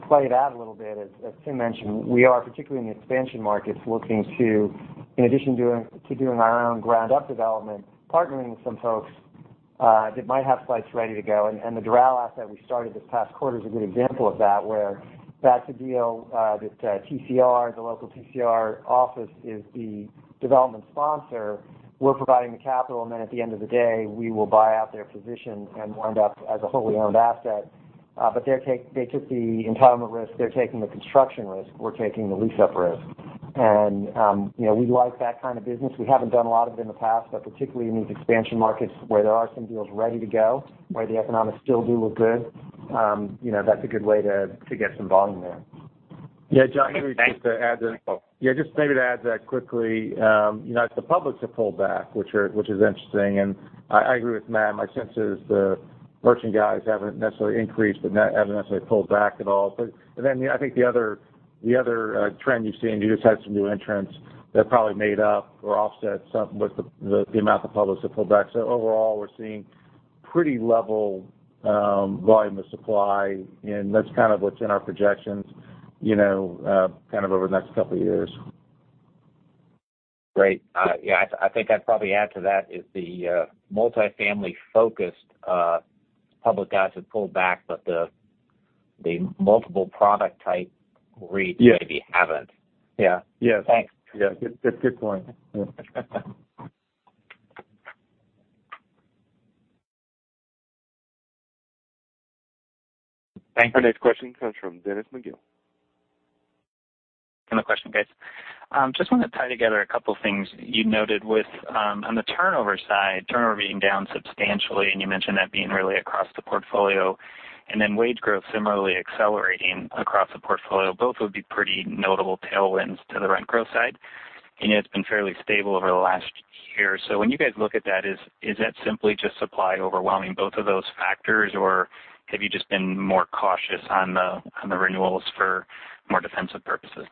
play it out a little bit is, as Tim Naughton mentioned, we are, particularly in the expansion markets, looking to, in addition to doing our own ground-up development, partnering with some folks that might have sites ready to go. The Doral asset we started this past quarter is a good example of that, where that's a deal that Trammell Crow Residential, the local Trammell Crow Residential office is the development sponsor. We're providing the capital, and then at the end of the day, we will buy out their position and wind up as a wholly-owned asset. They took the entitlement risk. They're taking the construction risk. We're taking the lease-up risk. We like that kind of business. We haven't done a lot of it in the past, but particularly in these expansion markets where there are some deals ready to go, where the economics still do look good, that's a good way to get some volume there. Yeah, John, maybe just to add to that quickly. The public's have pulled back, which is interesting, and I agree with Matt Birenbaum. My sense is the merchant guys haven't necessarily increased, but haven't necessarily pulled back at all. I think the other trend you've seen, you just had some new entrants that probably made up or offset some with the amount the public have pulled back. Overall, we're seeing pretty level volume of supply, and that's kind of what's in our projections over the next couple of years. Great. Yeah, I think I'd probably add to that is the multi-family-focused public guys have pulled back, but the multiple product-type REITs- Yeah maybe haven't. Yeah. Thanks. Yeah. Good point. Thank you. Our next question comes from Dennis McGill. I have a question, guys. Just want to tie together a couple things you noted with, on the turnover side, turnover being down substantially, and you mentioned that being really across the portfolio, wage growth similarly accelerating across the portfolio. Both would be pretty notable tailwinds to the rent growth side. It's been fairly stable over the last year. When you guys look at that, is that simply just supply overwhelming both of those factors, or have you just been more cautious on the renewals for more defensive purposes?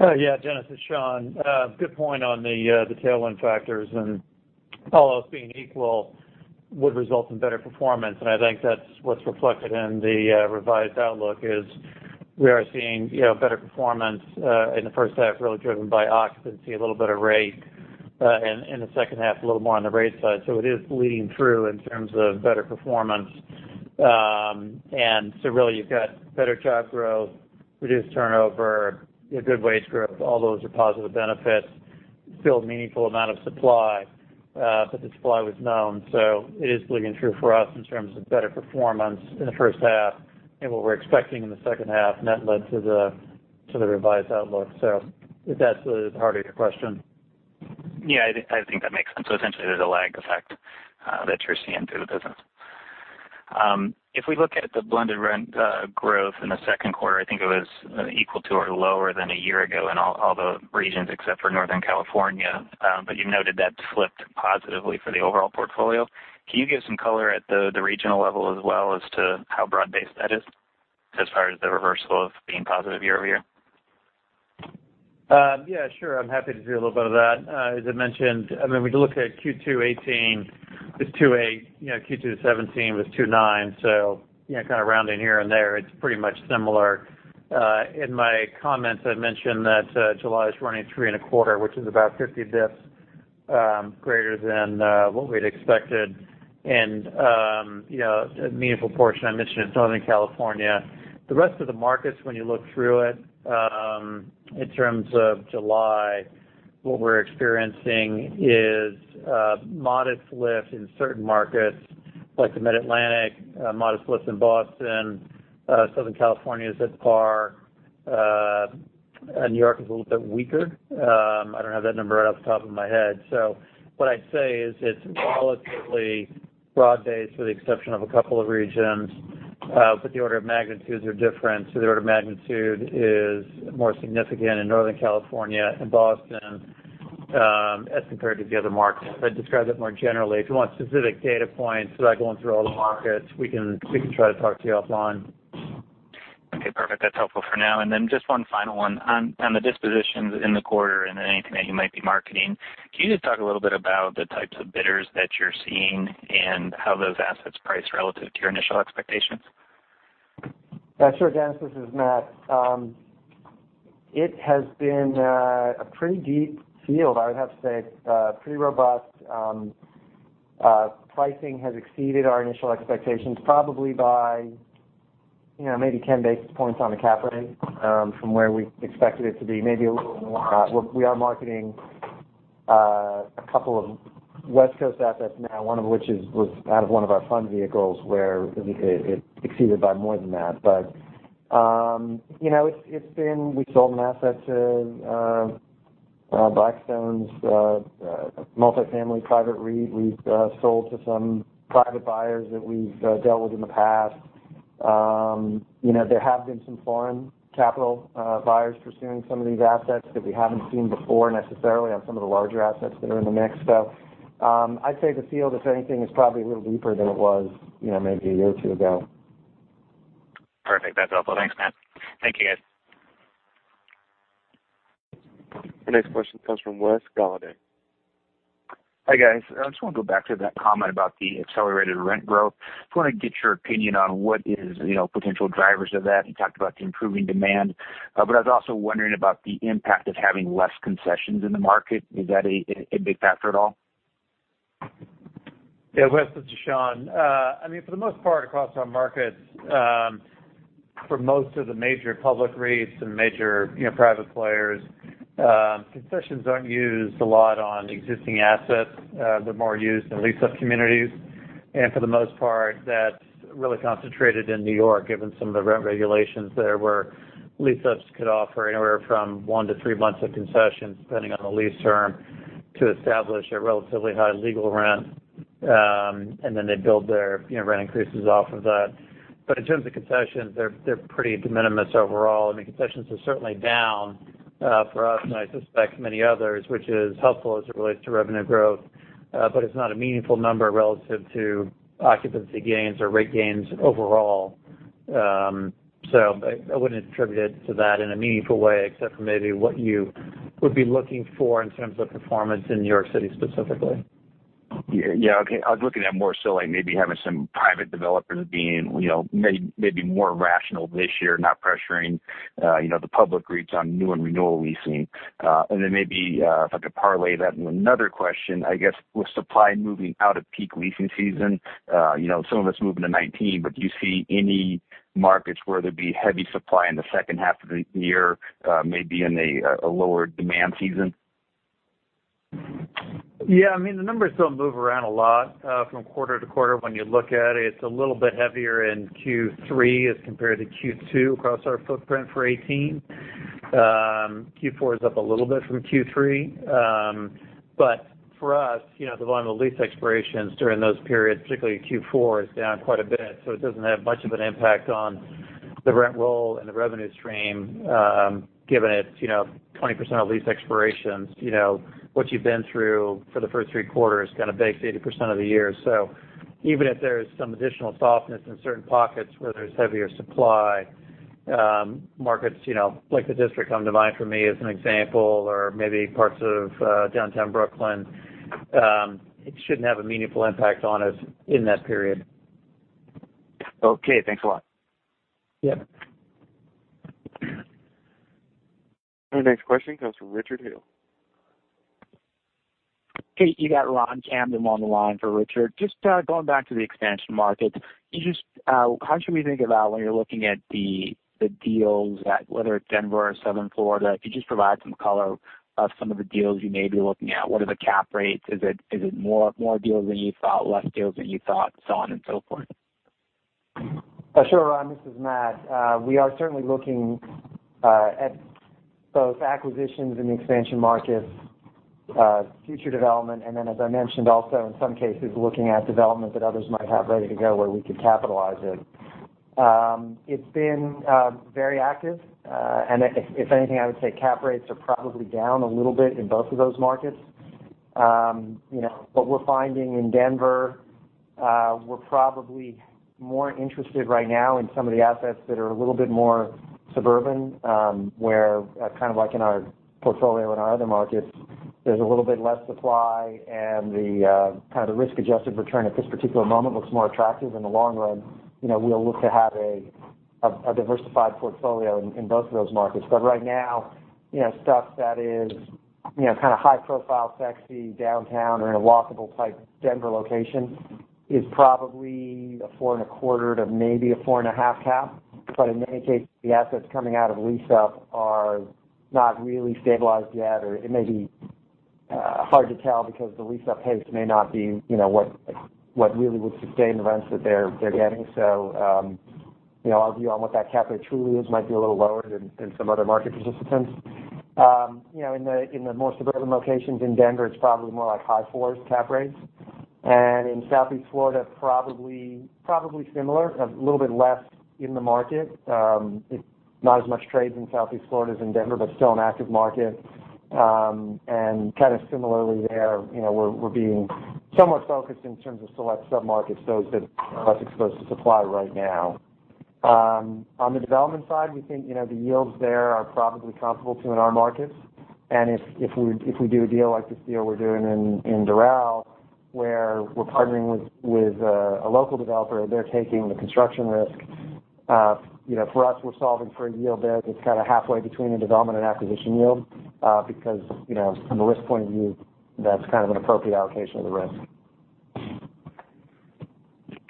Yeah, Dennis, it's Sean. Good point on the tailwind factors, all else being equal, would result in better performance. I think that's what's reflected in the revised outlook is we are seeing better performance in the first half, really driven by occupancy, a little bit of rate. In the second half, a little more on the rate side. It is bleeding through in terms of better performance. Really, you've got better job growth, reduced turnover, good wage growth. All those are positive benefits. Still a meaningful amount of supply, but the supply was known. It is bleeding through for us in terms of better performance in the first half and what we're expecting in the second half, and that led to the revised outlook. If that's the heart of your question. Yeah, I think that makes sense. Essentially, there's a lag effect that you're seeing through the business. If we look at the blended rent growth in the second quarter, I think it was equal to or lower than a year ago in all the regions except for Northern California. You've noted that flipped positively for the overall portfolio. Can you give some color at the regional level as well as to how broad-based that is as far as the reversal of being positive year-over-year? Sure. I am happy to do a little bit of that. As I mentioned, when we look at Q2 2018, it is 2.8. Q2 2017 was 2.9. Kind of rounding here and there, it is pretty much similar. In my comments, I mentioned that July is running 3.25, which is about 50 basis points greater than what we had expected. A meaningful portion I mentioned in Southern California. The rest of the markets, when you look through it, in terms of July, what we are experiencing is a modest lift in certain markets like the Mid-Atlantic, modest lift in Boston. Southern California is at par. New York is a little bit weaker. I do not have that number right off the top of my head. What I would say is it is relatively broad-based with the exception of a couple of regions. The order of magnitudes are different. The order of magnitude is more significant in Northern California and Boston, as compared to the other markets. I would describe it more generally. If you want specific data points without going through all the markets, we can try to talk to you offline. Okay, perfect. That is helpful for now. Then just one final one. On the dispositions in the quarter and anything that you might be marketing, can you just talk a little bit about the types of bidders that you are seeing and how those assets price relative to your initial expectations? Sure, Dennis. This is Matt. It has been a pretty deep field, I would have to say. Pretty robust. Pricing has exceeded our initial expectations, probably by maybe 10 basis points on the cap rate from where we expected it to be, maybe a little more. We are marketing a couple of West Coast assets now, one of which was out of one of our fund vehicles where it exceeded by more than that. We sold an asset to Blackstone's multifamily private REIT. We have sold to some private buyers that we have dealt with in the past. There have been some foreign capital buyers pursuing some of these assets that we have not seen before necessarily on some of the larger assets that are in the mix. I would say the field, if anything, is probably a little deeper than it was maybe a year or two ago. Perfect. That's helpful. Thanks, Matt. Thank you, guys. The next question comes from Wes Golladay. Hi, guys. I just want to go back to that comment about the accelerated rent growth. I just want to get your opinion on what is potential drivers of that. You talked about the improving demand, but I was also wondering about the impact of having less concessions in the market. Is that a big factor at all? Yeah, Wes, it's Sean. For the most part, across our markets, for most of the major public REITs and major private players, concessions aren't used a lot on existing assets. They're more used in lease-up communities. For the most part, that's really concentrated in New York, given some of the rent regulations there, where lease-ups could offer anywhere from one to three months of concessions, depending on the lease term, to establish a relatively high legal rent, and then they build their rent increases off of that. In terms of concessions, they're pretty de minimis overall. Concessions are certainly down for us and I suspect many others, which is helpful as it relates to revenue growth. It's not a meaningful number relative to occupancy gains or rate gains overall. I wouldn't attribute it to that in a meaningful way, except for maybe what you would be looking for in terms of performance in New York City specifically. Yeah. Okay. I was looking at more so like maybe having some private developers being maybe more rational this year, not pressuring the public REITs on new and renewal leasing. Maybe if I could parlay that into another question, I guess with supply moving out of peak leasing season, some of it's moving to 2019, do you see any markets where there'd be heavy supply in the second half of the year, maybe in a lower-demand season? Yeah. The numbers don't move around a lot from quarter to quarter when you look at it. It's a little bit heavier in Q3 as compared to Q2 across our footprint for 2018. Q4 is up a little bit from Q3. For us, the volume of lease expirations during those periods, particularly Q4, is down quite a bit, so it doesn't have much of an impact on the rent roll and the revenue stream, given it's 20% of lease expirations. What you've been through for the first three quarters kind of bakes 80% of the year. Even if there's some additional softness in certain pockets where there's heavier supply, markets like the District come to mind for me as an example, or maybe parts of downtown Brooklyn, it shouldn't have a meaningful impact on us in that period. Okay, thanks a lot. Yeah. Our next question comes from Richard Hill. Okay. You got Ronald Kamdem on the line for Richard. Just going back to the expansion markets. How should we think about when you're looking at the deals at whether it's Denver or Southern Florida? Could you just provide some color of some of the deals you may be looking at? What are the cap rates? Is it more deals than you thought, less deals than you thought, so on and so forth? Sure, Ron, this is Matt. We are certainly looking at both acquisitions in the expansion markets, future development, and then as I mentioned also, in some cases, looking at development that others might have ready to go where we could capitalize it. It's been very active, and if anything, I would say cap rates are probably down a little bit in both of those markets. What we're finding in Denver, we're probably more interested right now in some of the assets that are a little bit more suburban, where, kind of like in our portfolio in our other markets, there's a little bit less supply and the risk-adjusted return at this particular moment looks more attractive in the long run. We'll look to have a diversified portfolio in both of those markets. Right now, stuff that is kind of high profile, sexy, downtown, or in a walkable-type Denver location is probably a 4.25% to maybe a 4.5% cap. In many cases, the assets coming out of lease-up are not really stabilized yet, or it may be hard to tell because the lease-up pace may not be what really would sustain the rents that they're getting. Our view on what that cap rate truly is might be a little lower than some other market participants. In the more suburban locations in Denver, it's probably more like 5.25% cap rates. In Southeast Florida, probably similar, a little bit less in the market. Not as much trade in Southeast Florida as in Denver, but still an active market. Kind of similarly there, we're being somewhat focused in terms of select sub-markets, those that are less exposed to supply right now. On the development side, we think, the yields there are probably comparable to in our markets. If we do a deal like this deal we're doing in Doral, where we're partnering with a local developer, they're taking the construction risk. For us, we're solving for a yield there that's kind of halfway between a development and acquisition yield, because from a risk point of view, that's kind of an appropriate allocation of the risk.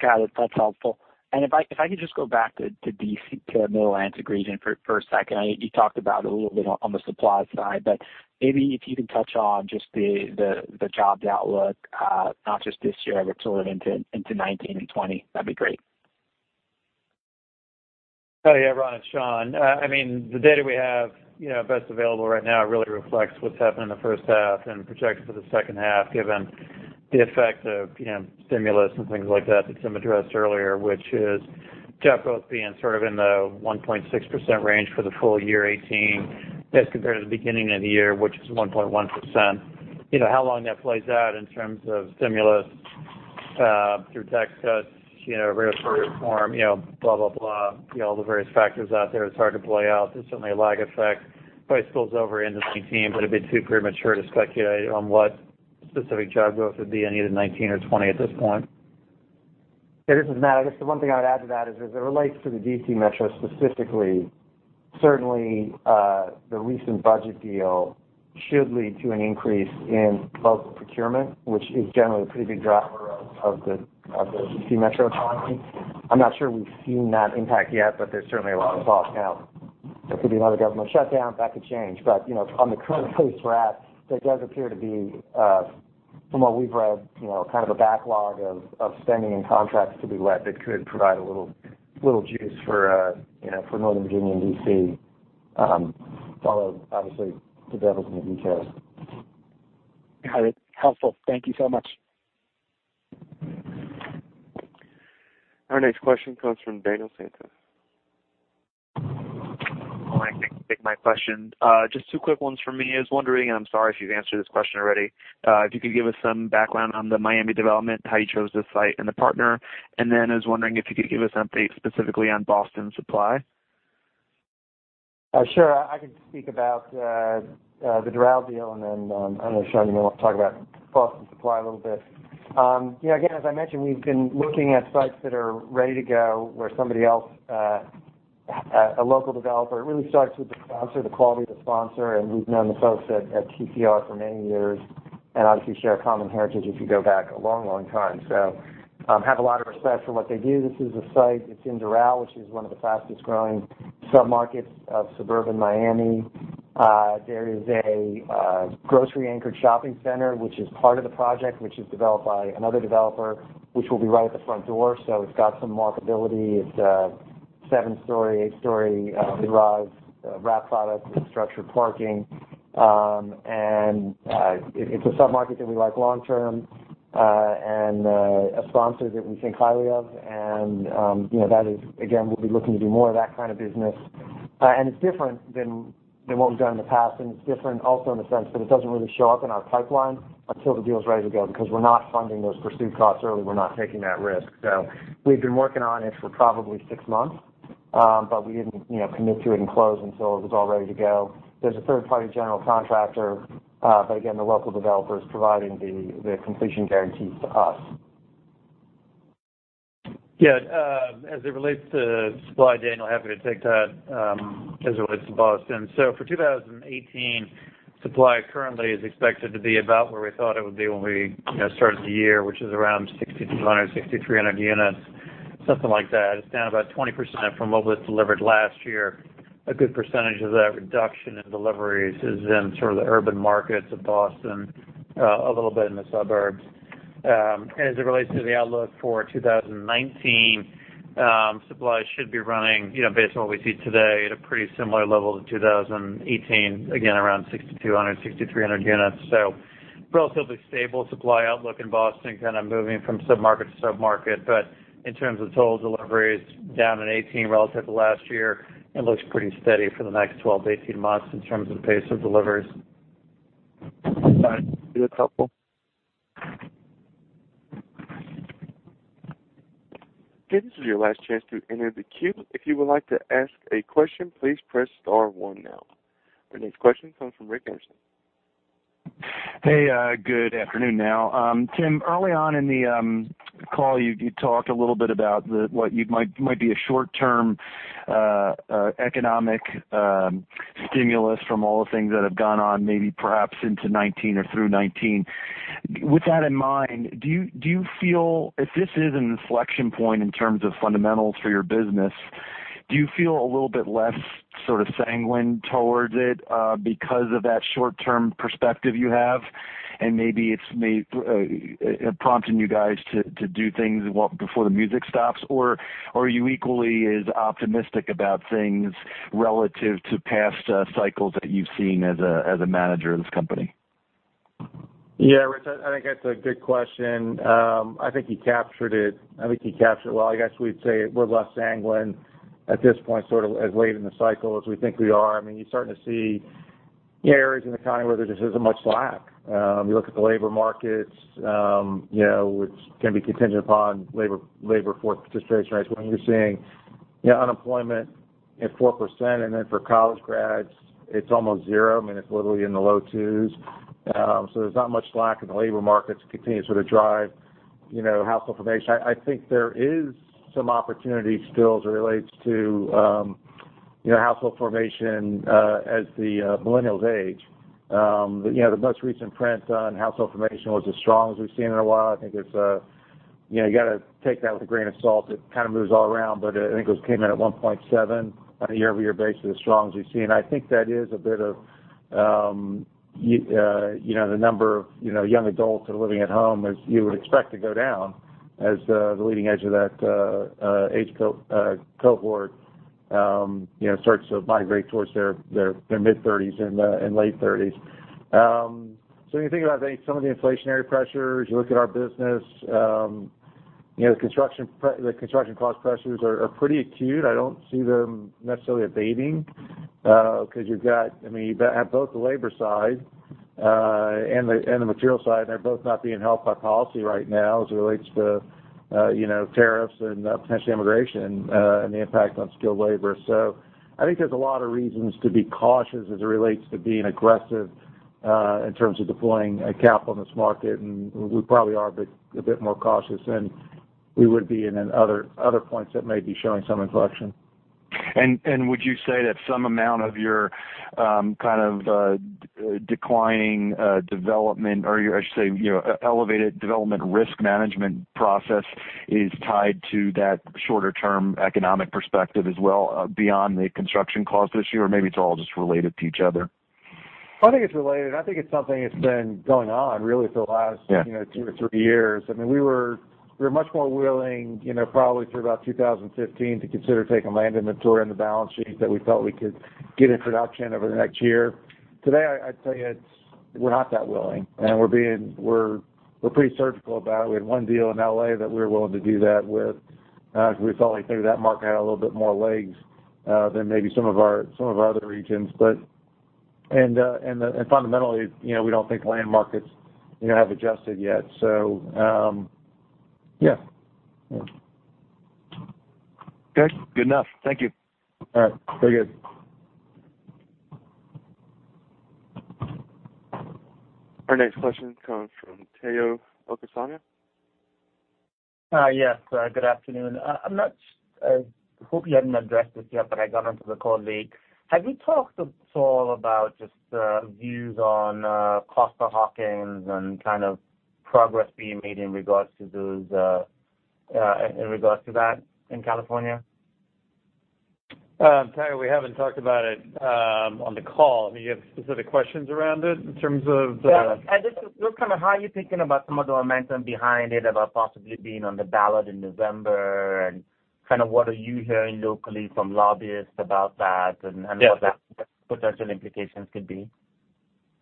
Got it. That's helpful. If I could just go back to Mid-Atlantic region for a second. You talked about it a little bit on the supply side, but maybe if you could touch on just the jobs outlook, not just this year, but sort of into 2019 and 2020, that'd be great. Oh, yeah, Ron, it's Sean. The data we have best available right now really reflects what's happened in the first half and projects for the second half, given the effect of stimulus and things like that Tim addressed earlier, which is job growth being sort of in the 1.6% range for the full year 2018 as compared to the beginning of the year, which is 1.1%. How long that plays out in terms of stimulus through tax cuts, regulatory reform, blah, blah, all the various factors out there, it's hard to play out. There's certainly a lag effect. Probably spills over into 2019, but it'd be too premature to speculate on what specific job growth would be in either 2019 or 2020 at this point. Yeah, this is Matt. I guess the one thing I would add to that is, as it relates to the D.C. metro specifically, certainly, the recent budget deal should lead to an increase in local procurement, which is generally a pretty big driver of the D.C. metro economy. I'm not sure we've seen that impact yet, but there's certainly a lot of talk now. There could be another government shutdown. That could change. On the current place we're at, there does appear to be, from what we've read, kind of a backlog of spending and contracts to be let that could provide a little juice for Northern Virginia and D.C. Followed, obviously, the devil's in the details. Got it. Helpful. Thank you so much. Our next question comes from Daniel Santos. Hi, thanks. My question, just two quick ones for me. I was wondering, I am sorry if you have answered this question already, if you could give us some background on the Miami development, how you chose this site and the partner. I was wondering if you could give us an update specifically on Boston supply. Sure. I could speak about the Doral deal. I know Sean, you may want to talk about Boston supply a little bit. Again, as I mentioned, we have been looking at sites that are ready to go where somebody else, a local developer. It really starts with the sponsor, the quality of the sponsor, and we have known the folks at TTR for many years and obviously share a common heritage if you go back a long, long time. Have a lot of respect for what they do. This is a site, it is in Doral, which is one of the fastest-growing sub-markets of suburban Miami. There is a grocery-anchored shopping center, which is part of the project, which is developed by another developer, which will be right at the front door. It has got some marketability. It is a seven-story, eight-story mid-rise wrap product with structured parking. It's a sub-market that we like long-term, and a sponsor that we think highly of. That is, again, we'll be looking to do more of that kind of business. It's different than what we've done in the past, and it's different also in the sense that it doesn't really show up in our pipeline until the deal is ready to go, because we're not funding those pursuit costs early. We're not taking that risk. We've been working on it for probably six months. We didn't commit to it and close until it was all ready to go. There's a third-party general contractor, but again, the local developer is providing the completion guarantees to us. Yeah. As it relates to supply, Daniel, happy to take that as it relates to Boston. For 2018, supply currently is expected to be about where we thought it would be when we started the year, which is around 6,200, 6,300 units, something like that. It's down about 20% from what was delivered last year. A good percentage of that reduction in deliveries is in sort of the urban markets of Boston, a little bit in the suburbs. As it relates to the outlook for 2019, supply should be running, based on what we see today, at a pretty similar level to 2018, again, around 6,200, 6,300 units. Relatively stable supply outlook in Boston, kind of moving from sub-market to sub-market. In terms of total deliveries, down in 2018 relative to last year, it looks pretty steady for the next 12 to 18 months in terms of pace of deliveries. Do a couple. Okay, this is your last chance to enter the queue. If you would like to ask a question, please press star one now. Our next question comes from Rick Anderson. Hey, good afternoon now. Tim, early on in the call, you talked a little bit about what might be a short-term economic stimulus from all the things that have gone on, maybe perhaps into 2019 or through 2019. With that in mind, if this is an inflection point in terms of fundamentals for your business, do you feel a little bit less sort of sanguine towards it because of that short-term perspective you have, and maybe it's prompting you guys to do things before the music stops? Or are you equally as optimistic about things relative to past cycles that you've seen as a manager of this company? Yeah, Rick, I think that's a good question. I think you captured it well. I guess we'd say we're less sanguine at this point, sort of as late in the cycle as we think we are. You're starting to see areas in the economy where there just isn't much slack. You look at the labor markets, which can be contingent upon labor force participation rates, when you're seeing unemployment at 4%, and then for college grads, it's almost zero. It's literally in the low twos. There's not much slack in the labor markets to continue to sort of drive household formation. I think there is some opportunity still as it relates to household formation as the millennials age. The most recent print on household formation was the strongest we've seen in a while. I think you've got to take that with a grain of salt. It kind of moves all around. I think it came in at 1.7 on a year-over-year basis, the strongest we've seen. I think that is a bit of the number of young adults that are living at home, as you would expect to go down, as the leading edge of that age cohort starts to migrate towards their mid-30s and late 30s. When you think about some of the inflationary pressures, you look at our business, the construction cost pressures are pretty acute. I don't see them necessarily abating because you've got both the labor side and the material side, and they're both not being helped by policy right now as it relates to tariffs and potentially immigration and the impact on skilled labor. I think there's a lot of reasons to be cautious as it relates to being aggressive in terms of deploying capital in this market, and we probably are a bit more cautious than we would be in other points that may be showing some inflection. Would you say that some amount of your kind of declining development, or I should say, elevated development risk management process is tied to that shorter-term economic perspective as well, beyond the construction costs this year? Maybe it's all just related to each other? I think it's related. I think it's something that's been going on really. Yeah Two or three years. We were much more willing probably through about 2015 to consider taking land inventory on the balance sheet that we felt we could get in production over the next year. Today, I'd tell you, we're not that willing, and we're pretty surgical about it. We had one deal in L.A. that we were willing to do that with because we felt like maybe that market had a little bit more legs than maybe some of our other regions. Fundamentally, we don't think land markets have adjusted yet. Yeah. Okay. Good enough. Thank you. All right. Very good. Our next question comes from Tayo Okusanya. Yes, good afternoon. I hope you haven't addressed this yet, but I got onto the call late. Have you talked at all about just views on Costa-Hawkins and kind of progress being made in regards to that in California? Tayo, we haven't talked about it on the call. Do you have specific questions around it in terms of- Yeah. Just kind of how you're thinking about some of the momentum behind it, about possibly being on the ballot in November, and kind of what are you hearing locally from lobbyists about that and- Yeah what the potential implications could be.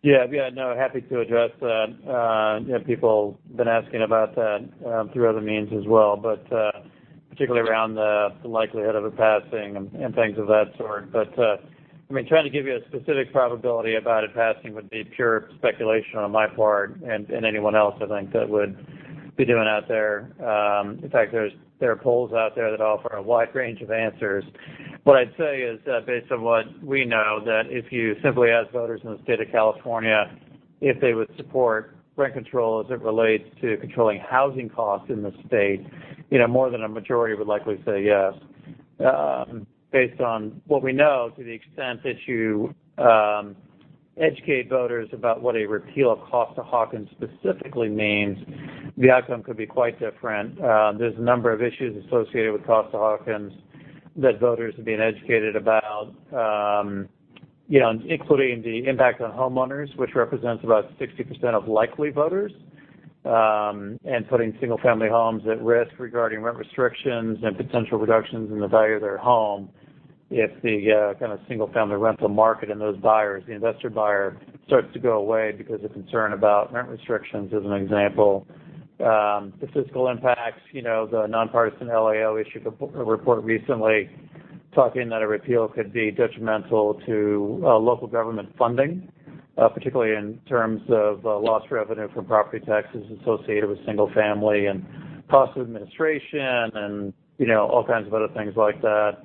Yeah. No, happy to address that. People have been asking about that through other means as well, but particularly around the likelihood of it passing and things of that sort. Trying to give you a specific probability about it passing would be pure speculation on my part and anyone else, I think, that would be doing out there. In fact, there are polls out there that offer a wide range of answers. What I'd say is that based on what we know, that if you simply ask voters in the state of California if they would support rent control as it relates to controlling housing costs in the state, more than a majority would likely say yes. Based on what we know, to the extent that you educate voters about what a repeal of Costa-Hawkins specifically means. The outcome could be quite different. There's a number of issues associated with Costa-Hawkins that voters are being educated about, including the impact on homeowners, which represents about 60% of likely voters, and putting single-family homes at risk regarding rent restrictions and potential reductions in the value of their home if the kind of single-family rental market and those buyers, the investor buyer, starts to go away because of concern about rent restrictions, as an example. The fiscal impacts, the nonpartisan LAO issued a report recently talking that a repeal could be detrimental to local government funding, particularly in terms of lost revenue from property taxes associated with single-family and cost of administration and all kinds of other things like that.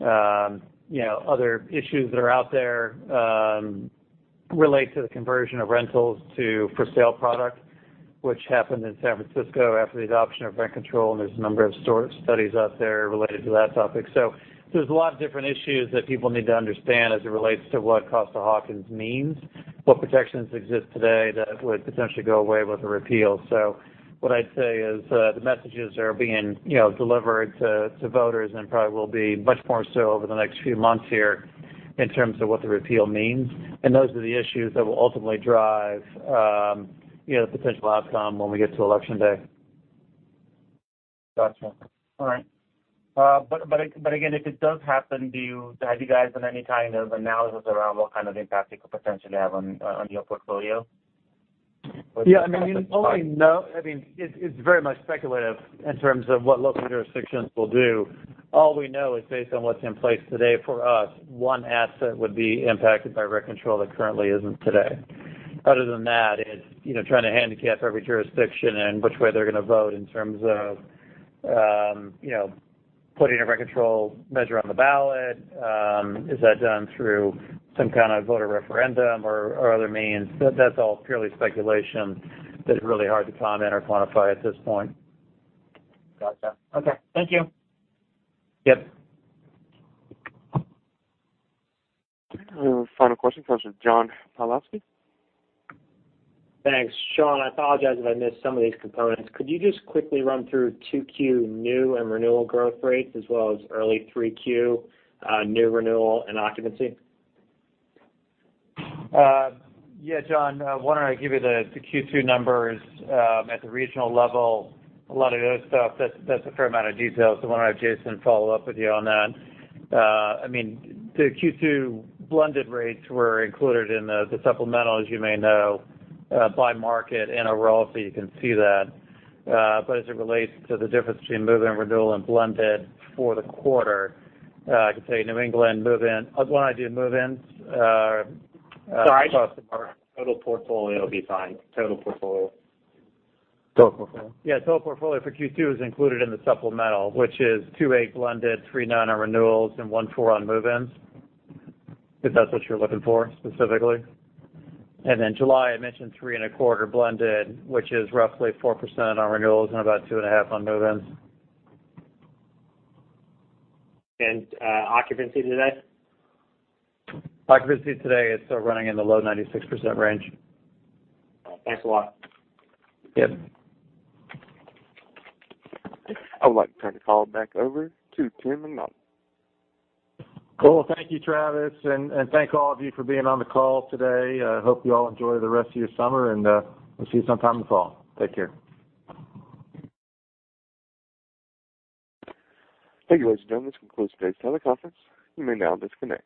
Other issues that are out there relate to the conversion of rentals to for-sale product, which happened in San Francisco after the adoption of rent control, and there's a number of studies out there related to that topic. There's a lot of different issues that people need to understand as it relates to what Costa-Hawkins means, what protections exist today that would potentially go away with a repeal. What I'd say is the messages are being delivered to voters and probably will be much more so over the next few months here in terms of what the repeal means, and those are the issues that will ultimately drive the potential outcome when we get to Election Day. Gotcha. All right. Again, if it does happen, have you guys done any kind of analysis around what kind of impact it could potentially have on your portfolio? It's very much speculative in terms of what local jurisdictions will do. All we know is based on what's in place today, for us, one asset would be impacted by rent control that currently isn't today. Other than that, it's trying to handicap every jurisdiction and which way they're going to vote in terms of putting a rent control measure on the ballot. Is that done through some kind of voter referendum or other means? That's all purely speculation that is really hard to comment on or quantify at this point. Gotcha. Okay. Thank you. Yep. Final question comes from John Pawlowski. Thanks, Sean. I apologize if I missed some of these components. Could you just quickly run through 2Q new and renewal growth rates as well as early 3Q new renewal and occupancy? John, why don't I give you the Q2 numbers at the regional level. A lot of that stuff, that's a fair amount of detail, so why don't I have Jason follow up with you on that. The Q2 blended rates were included in the supplemental, as you may know, by market in a row, so you can see that. As it relates to the difference between move-in, renewal, and blended for the quarter, I can tell you New England move-in. Sorry. Total portfolio would be fine. Total portfolio. Total portfolio? Yeah, total portfolio for Q2 is included in the supplemental, which is 2.8 blended, 3.9 on renewals, and 1.4 on move-ins, if that's what you're looking for specifically. Then July, I mentioned 3.25 blended, which is roughly 4% on renewals and about 2.5 on move-ins. Occupancy today? Occupancy today is still running in the low 96% range. Thanks a lot. Yep. I would like to turn the call back over to Tim Naughton. Cool. Thank you, Travis, and thank all of you for being on the call today. I hope you all enjoy the rest of your summer, and we'll see you sometime in the fall. Take care. Thank you, ladies and gentlemen. This concludes today's teleconference. You may now disconnect.